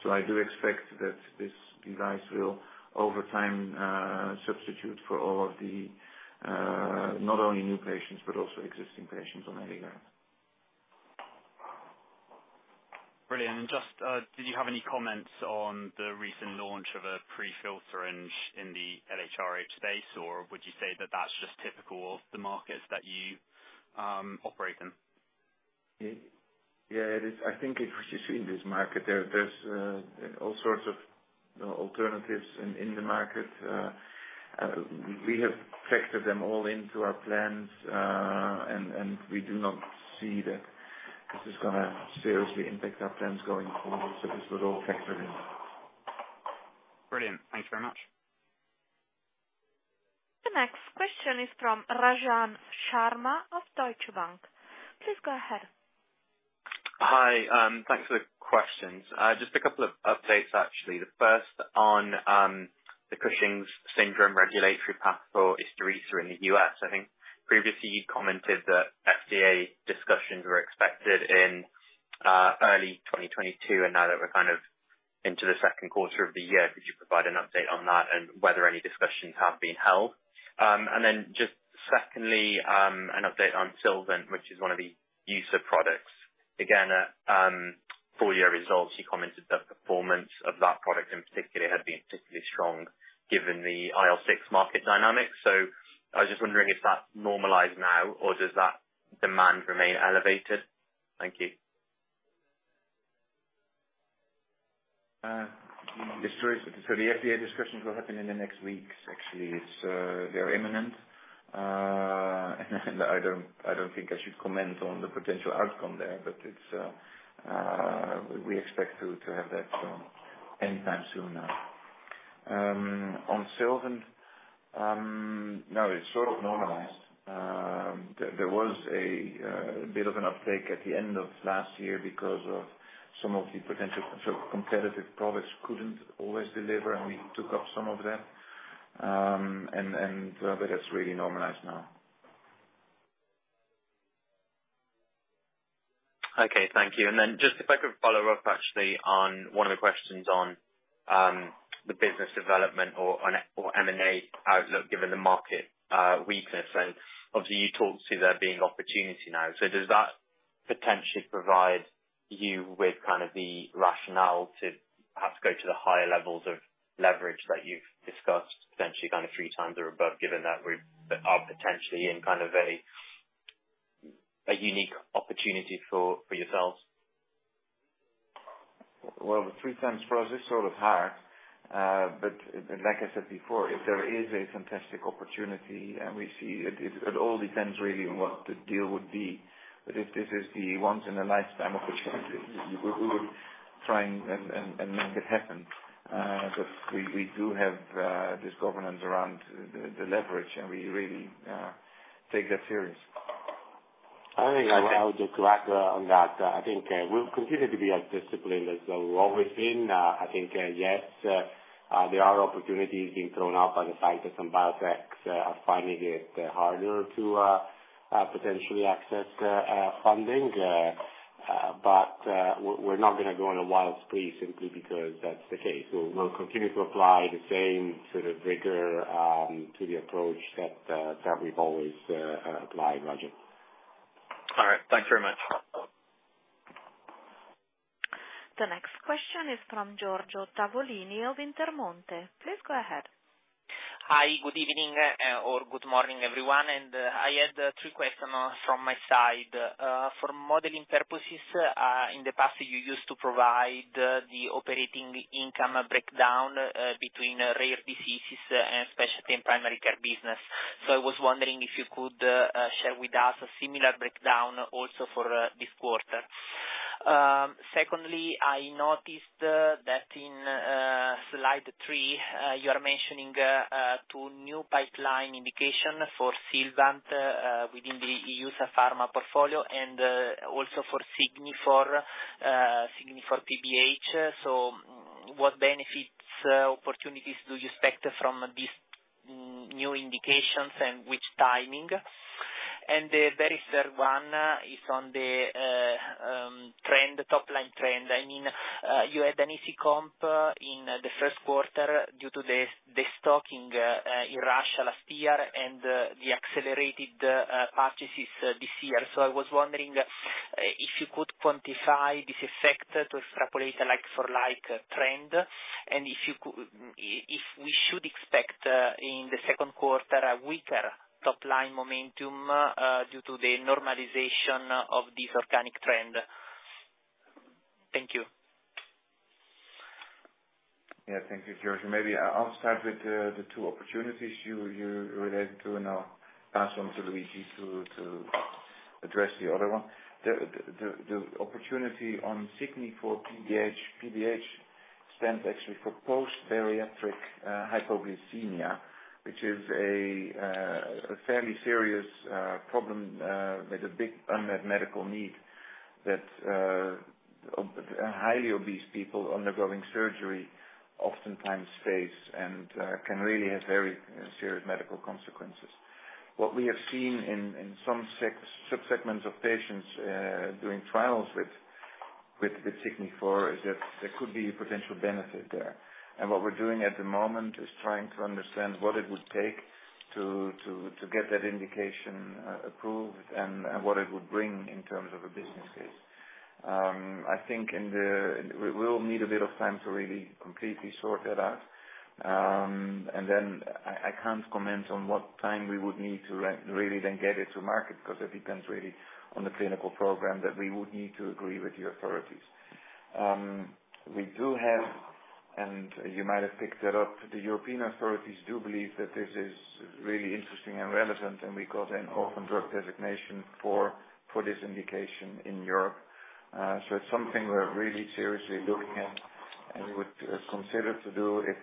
I do expect that this device will over time substitute for all of the not only new patients, but also existing patients on Eligard. Brilliant. Just did you have any comments on the recent launch of a pre-fill syringe in the LHRH space, or would you say that that's just typical of the markets that you operate in? Yeah, it is. I think if you've seen this market there's all sorts of alternatives in the market. We have factored them all into our plans. We do not see that this is gonna seriously impact our plans going forward. This was all factored in. Brilliant. Thanks very much. The next question is from Rajan Sharma of Deutsche Bank. Please go ahead. Hi. Thanks for the questions. Just a couple of updates, actually. The first on the Cushing's syndrome regulatory path for Isturisa in the U.S. I think previously you commented that FDA discussions were expected in early 2022, and now that we're kind of into the Q2 of the year, could you provide an update on that and whether any discussions have been held? And then just secondly, an update on Sylvant, which is one of the newer products. Again, at full year results, you commented the performance of that product in particular had been particularly strong given the IL-6 market dynamics. I was just wondering if that's normalized now or does that demand remain elevated? Thank you. The FDA discussions will happen in the next weeks. Actually, they're imminent. I don't think I should comment on the potential outcome there, but we expect to have that anytime soon now. On Sylvant, no, it's sort of normalized. There was a bit of an uptake at the end of last year because some of the potential sort of competitive products couldn't always deliver, and we took up some of that. It's really normalized now. Okay, thank you. Just if I could follow up actually on one of the questions on the business development or on M&A outlook, given the market weakness. Obviously you talked about there being opportunity now. Does that potentially provide you with kind of the rationale to perhaps go to the higher levels of leverage that you've discussed, potentially kind of 3x or above, given that we are potentially in kind of a unique opportunity for yourselves? Well, the 3x for us is sort of hard. Like I said before, if there is a fantastic opportunity, and we see it all depends really on what the deal would be. If this is the once in a lifetime opportunity, we would try and make it happen. Because we do have this governance around the leverage, and we really take that serious. I think I would just like on that, I think we'll continue to be as disciplined as we've always been. I think yes, there are opportunities being thrown up by the scientists and biotechs are finding it harder to potentially access funding. We're not gonna go on a wild spree simply because that's the case. We'll continue to apply the same sort of rigor to the approach that we've always applied, Rajan. All right. Thank you very much. The next question is from Giorgio Tavolini of Intermonte. Please go ahead. Hi. Good evening or good morning, everyone. I had three questions from my side. For modeling purposes, in the past you used to provide the operating income breakdown between rare diseases and specialty and primary care business. I was wondering if you could share with us a similar breakdown also for this quarter. Secondly, I noticed that in slide three, you are mentioning two new pipeline indications for Sylvant within the EUSA Pharma portfolio and also for Signifor LAR. What benefits, opportunities do you expect from these new indications and which timing? The very third one is on the top-line trend. I mean, you had an easy comp in the Q1 due to the stocking in Russia last year and the accelerated purchases this year. I was wondering if you could quantify this effect to extrapolate a like for like trend, and if we should expect in the Q2 a weaker top line momentum due to the normalization of this organic trend. Thank you. Yeah. Thank you, Giorgio. Maybe I'll start with the two opportunities you relate to, and I'll pass on to Luigi to address the other one. The opportunity on Signifor LAR. PBH stands actually for post bariatric hypoglycemia, which is a fairly serious problem with a big unmet medical need that highly obese people undergoing surgery oftentimes face and can really have very serious medical consequences. What we have seen in some subsegments of patients doing trials with Signifor is that there could be a potential benefit there. What we're doing at the moment is trying to understand what it would take to get that indication approved and what it would bring in terms of a business case. I think we will need a bit of time to really completely sort that out. I can't comment on what time we would need to really get it to market, because it depends really on the clinical program that we would need to agree with the authorities. We do have, and you might have picked it up, the European authorities do believe that this is really interesting and relevant, and we got an orphan drug designation for this indication in Europe. It's something we're really seriously looking at, and we would consider to do if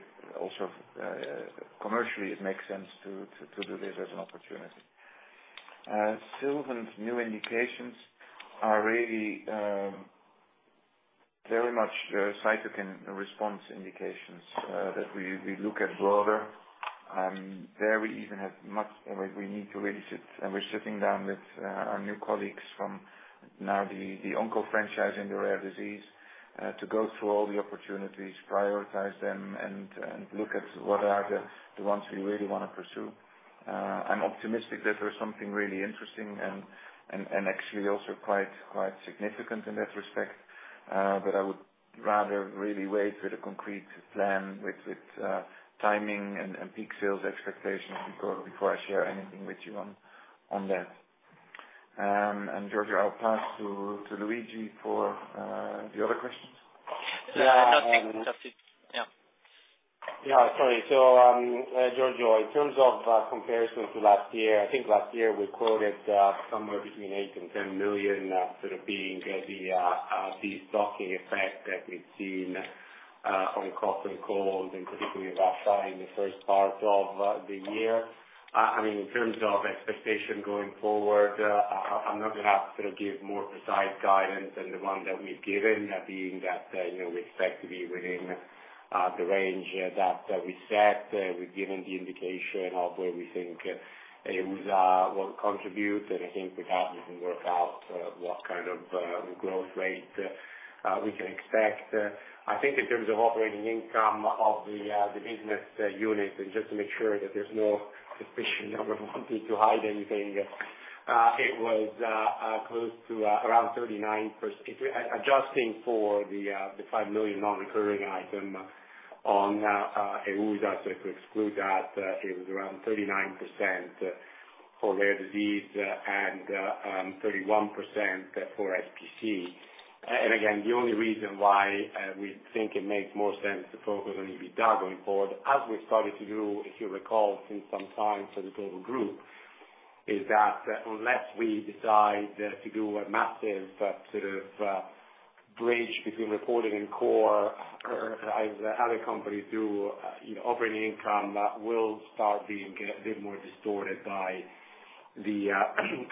commercially it makes sense to do this as an opportunity. Sylvant's new indications are really very much cytokine response indications that we look at broader. We need to really sit, and we're sitting down with our new colleagues from the oncology franchise in the rare disease to go through all the opportunities, prioritize them and look at what are the ones we really wanna pursue. I'm optimistic that there's something really interesting and actually also quite significant in that respect. But I would rather really wait with a concrete plan with timing and peak sales expectations before I share anything with you on that. Giorgio, I'll pass to Luigi for the other questions. Yeah. That's it. Yeah. Yeah. Sorry. Giorgio, in terms of comparison to last year, I think last year we quoted somewhere between 8 million and 10 million, sort of being the stocking effect that we've seen on cough and cold, and particularly in Russia in the first part of the year. I mean, in terms of expectation going forward, I'm not gonna sort of give more precise guidance than the one that we've given, that being that you know, we expect to be within the range that we set. We've given the indication of where we think EUSA will contribute, and I think with that we can work out what kind of growth rate we can expect. I think in terms of operating income of the business unit, and just to make sure that there's no suspicion I'm wanting to hide anything. It was close to around 39%. Adjusting for the 5 million non-recurring item on EUSA. To exclude that, it was around 39% for rare disease and 31% for SPC. Again, the only reason why we think it makes more sense to focus on EBITDA going forward, as we started to do, if you recall, since some time as a global group, is that unless we decide to do a massive sort of bridge between reporting and core as other companies do, you know, operating income will start being a bit more distorted by the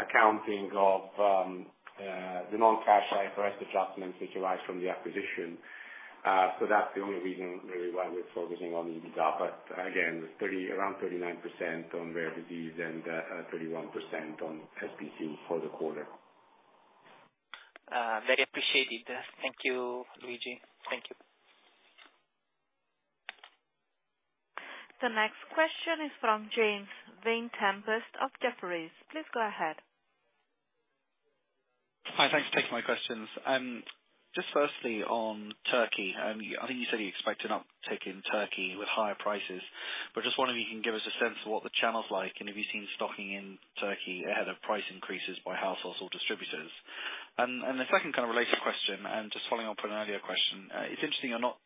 accounting of the non-cash IFRS adjustments which arise from the acquisition. So that's the only reason really why we're focusing on EBITDA. Again, it's around 39% on rare disease and 31% on SPC for the quarter. Very appreciated. Thank you, Luigi. Thank you. The next question is from James Vane-Tempest of Jefferies. Please go ahead. Hi. Thanks for taking my questions. Just firstly on Turkey, I think you said you expect an uptick in Turkey with higher prices, but just wondering if you can give us a sense of what the channel's like, and have you seen stocking in Turkey ahead of price increases by households or distributors? And the second kind of related question, and just following up on an earlier question, it's interesting you're not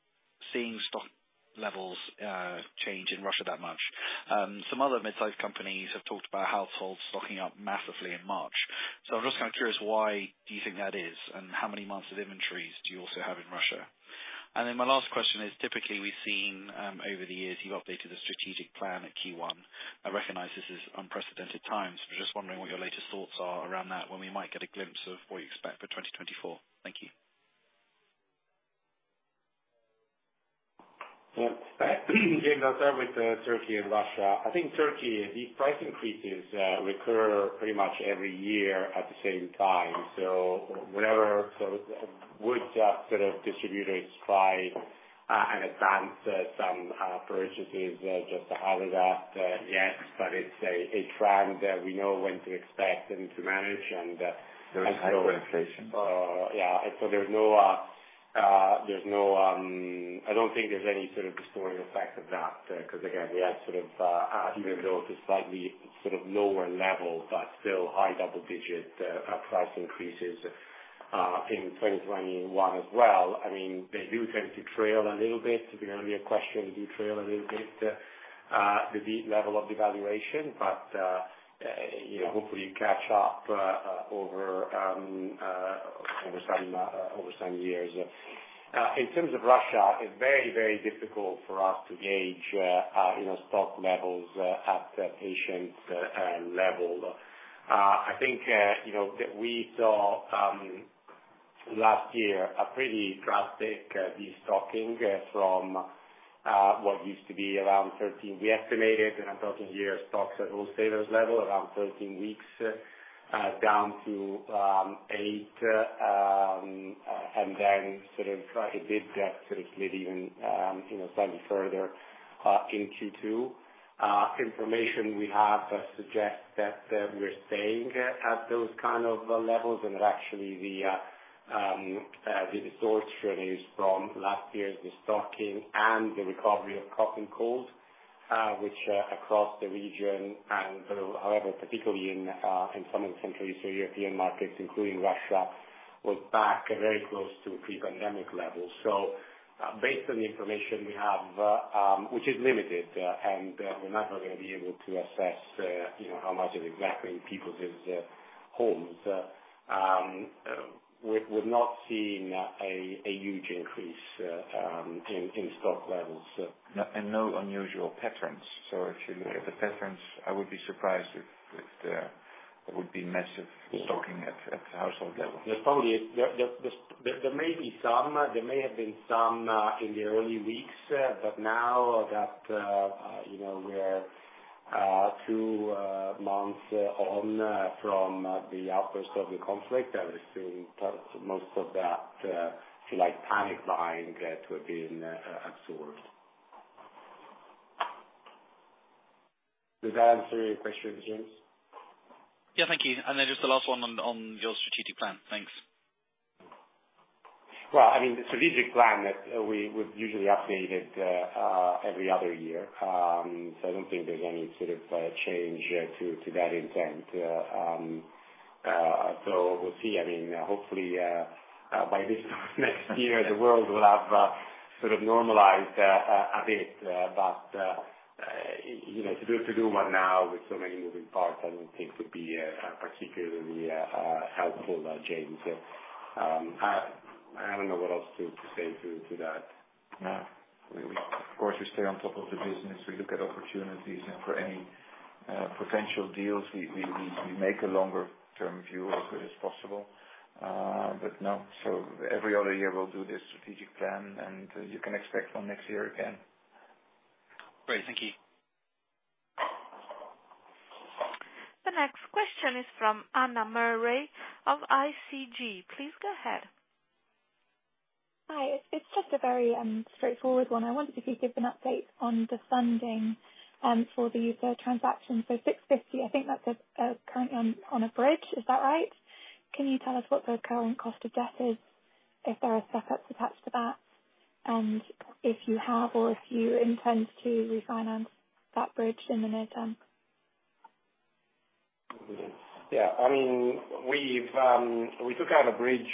seeing stock levels change in Russia that much. Some other mid-sized companies have talked about households stocking up massively in March. So I'm just kind of curious, why do you think that is, and how many months of inventories do you also have in Russia? Then my last question is typically we've seen, over the years you've updated a strategic plan at Q1. I recognize this is unprecedented times, but just wondering what your latest thoughts are around that, when we might get a glimpse of what you expect for 2024. Thank you. Yeah. James, I'll start with Turkey and Russia. I think Turkey, the price increases recur pretty much every year at the same time. Would sort of distributors try and advance some purchases just to have that edge, but it's a trend that we know when to expect and to manage. There was hyperinflation. I don't think there's any sort of distorting effect of that, 'cause again, we had sort of even though it was a slightly sort of lower level, but still high double-digit price increases in 2021 as well. I mean, they do tend to trail a little bit. There's gonna be a question, do you trail a little bit the rate of devaluation, but you know, hopefully you catch up over some years. In terms of Russia, it's very, very difficult for us to gauge you know, stock levels at patient level. I think you know, we saw last year a pretty drastic destocking from what used to be around 13. We estimated, and I'm talking here stocks at wholesalers level, around 13 weeks, down to eight, and then sort of it did get sort of maybe even, you know, slightly further, in Q2. Information we have suggests that we're staying at those kind of levels and that actually the distortion is from last year's destocking and the recovery of cough and cold, which across the region and however, particularly in some of the Central Eastern European markets, including Russia, was back very close to pre-pandemic levels. Based on the information we have, which is limited, and we're not going to be able to assess, you know, how much it is exactly in people's homes. We're not seeing a huge increase in stock levels. No unusual patterns. If you look at the patterns, I would be surprised if there would be massive stocking at the household level. There may have been some in the early weeks, but now that you know we're two months on from the outbreak of the conflict, I would assume most of that, if you like, panic buying to have been absorbed. Does that answer your question, James? Yeah, thank you. Just the last one on your strategic plan. Thanks. Well, I mean, the strategic plan that we would usually update it every other year. I don't think there's any sort of change to that intent. We'll see. I mean, hopefully by this time next year, the world will have sort of normalized a bit. You know, to do one now with so many moving parts, I don't think would be particularly helpful, James. I don't know what else to that. No. We of course stay on top of the business. We look at opportunities and for any potential deals, we make a longer term view as good as possible. Every other year we'll do this strategic plan and you can expect one next year again. Great. Thank you. The next question is from Anna Murray of ICG. Please go ahead. Hi, it's just a very straightforward one. I wondered if you'd give an update on the funding for the EUSA transaction. 650 million, I think that's currently on a bridge, is that right? Can you tell us what the current cost of debt is, if there are step-ups attached to that, and if you have or if you intend to refinance that bridge in the near term? Yeah. I mean, we took out a bridge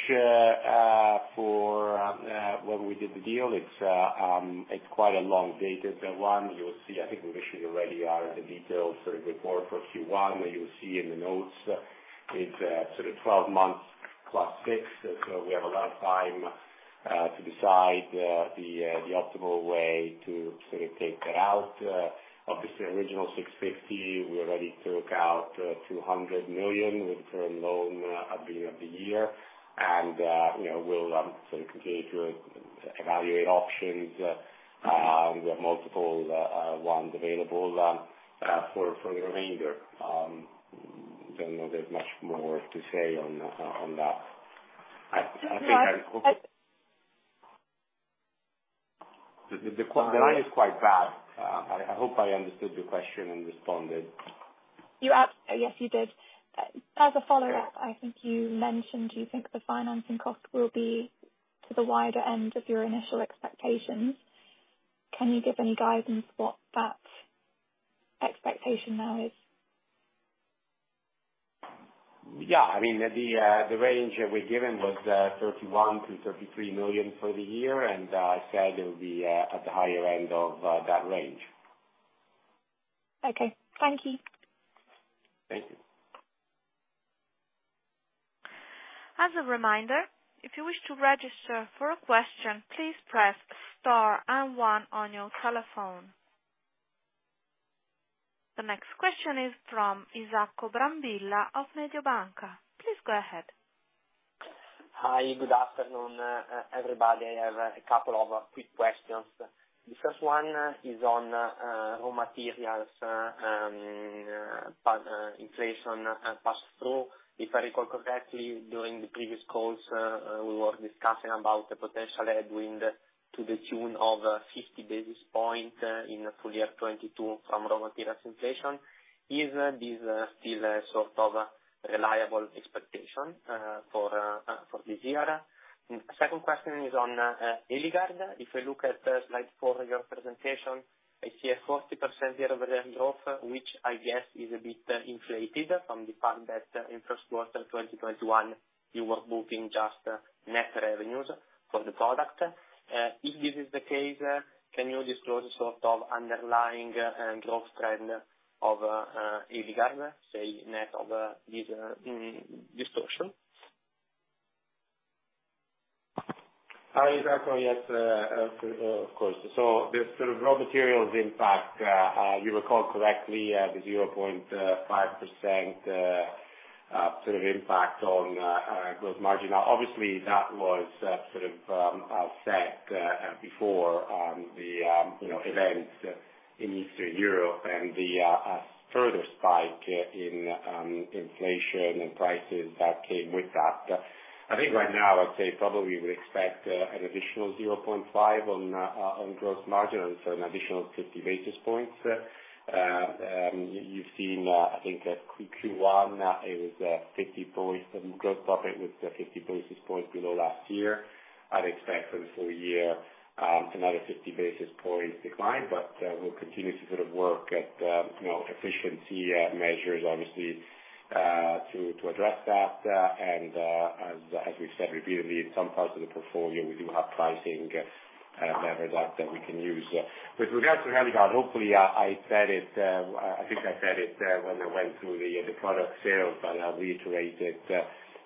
for when we did the deal. It's quite a long dated one. You'll see, I think we mentioned already are the details for the report for Q1, where you'll see in the notes it's sort of 12 months plus six. We have a lot of time to decide the optimal way to sort of take that out. Of the original 650 million, we already took out 200 million with the current loan at the beginning of the year. You know, we'll sort of continue to evaluate options. We have multiple ones available for the remainder. Don't know there's much more to say on that. No, I. The line is quite bad. I hope I understood your question and responded. Yes, you did. As a follow-up, I think you mentioned you think the financing cost will be to the wider end of your initial expectations. Can you give any guidance what that expectation now is? Yeah. I mean, the range that we've given was 31 million-33 million for the year. I said it would be at the higher end of that range. Okay. Thank you. Thank you. As a reminder, if you wish to register for a question, please press star and one on your telephone. The next question is from Isacco Brambilla of Mediobanca. Please go ahead. Hi. Good afternoon, everybody. I have a couple of quick questions. The first one is on raw materials inflation pass-through. If I recall correctly, during the previous calls, we were discussing about the potential headwind to the tune of 50 basis point in full year 2022 from raw material inflation. Is this still a sort of reliable expectation for this year? Second question is on Eligard. If I look at the slide four of your presentation, I see a 40% year-over-year growth, which I guess is a bit inflated from the fact that in Q1 2021, you were booking just net revenues for the product. If this is the case, can you disclose the sort of underlying growth trend of Eligard, say, net of this distortion? Hi, Isacco. Yes, of course. This sort of raw materials impact, you recall correctly, the 0.5% sort of impact on gross margin. Now obviously that was sort of set before the you know events in Eastern Europe and the further spike in inflation and prices that came with that. I think right now, I'd say probably we'd expect an additional 0.5% on gross margin and so an additional 50 basis points. You've seen, I think that Q1 is 50 points gross profit with 50 basis points below last year. I'd expect for the full year, another 50 basis points decline, but we'll continue to sort of work at, you know, efficiency measures obviously, to address that. As we've said repeatedly, in some parts of the portfolio we do have pricing leverage that we can use. With regards to Eligard, hopefully I said it, I think I said it, when I went through the product sales, but I'll reiterate it.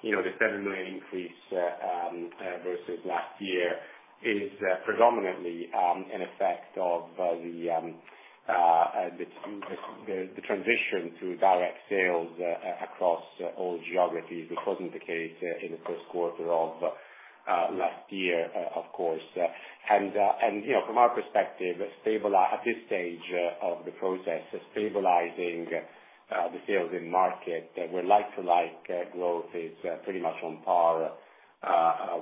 You know, the 7 million increase versus last year is predominantly an effect of the transition to direct sales across all geographies, which wasn't the case in the Q1 of last year, of course. You know, from our perspective, at this stage of the process, stabilizing the sales in market where like-for-like growth is pretty much on par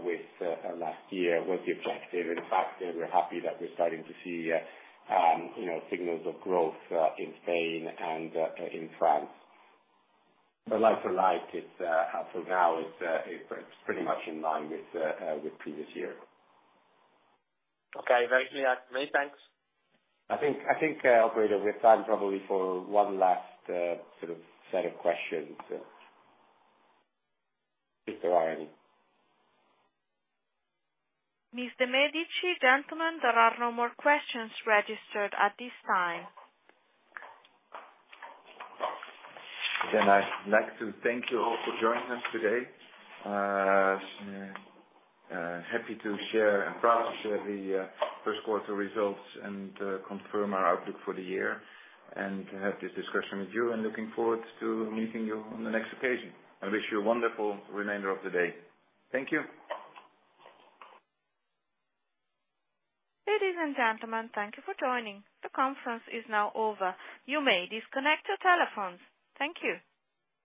with last year was the objective. In fact, we're happy that we're starting to see you know, signals of growth in Spain and in France. Like-for-like, for now it's pretty much in line with previous year. Okay. Great. That's it for me. Thanks. I think, operator, we have time probably for one last sort of set of questions, if there are any. Mr. Medici, gentlemen, there are no more questions registered at this time. I'd like to thank you all for joining us today. Happy to share and proud to share the Q1 results and confirm our outlook for the year and have this discussion with you. Looking forward to meeting you on the next occasion. I wish you a wonderful remainder of the day. Thank you. Ladies and gentlemen, thank you for joining. The conference is now over. You may disconnect your telephones. Thank you.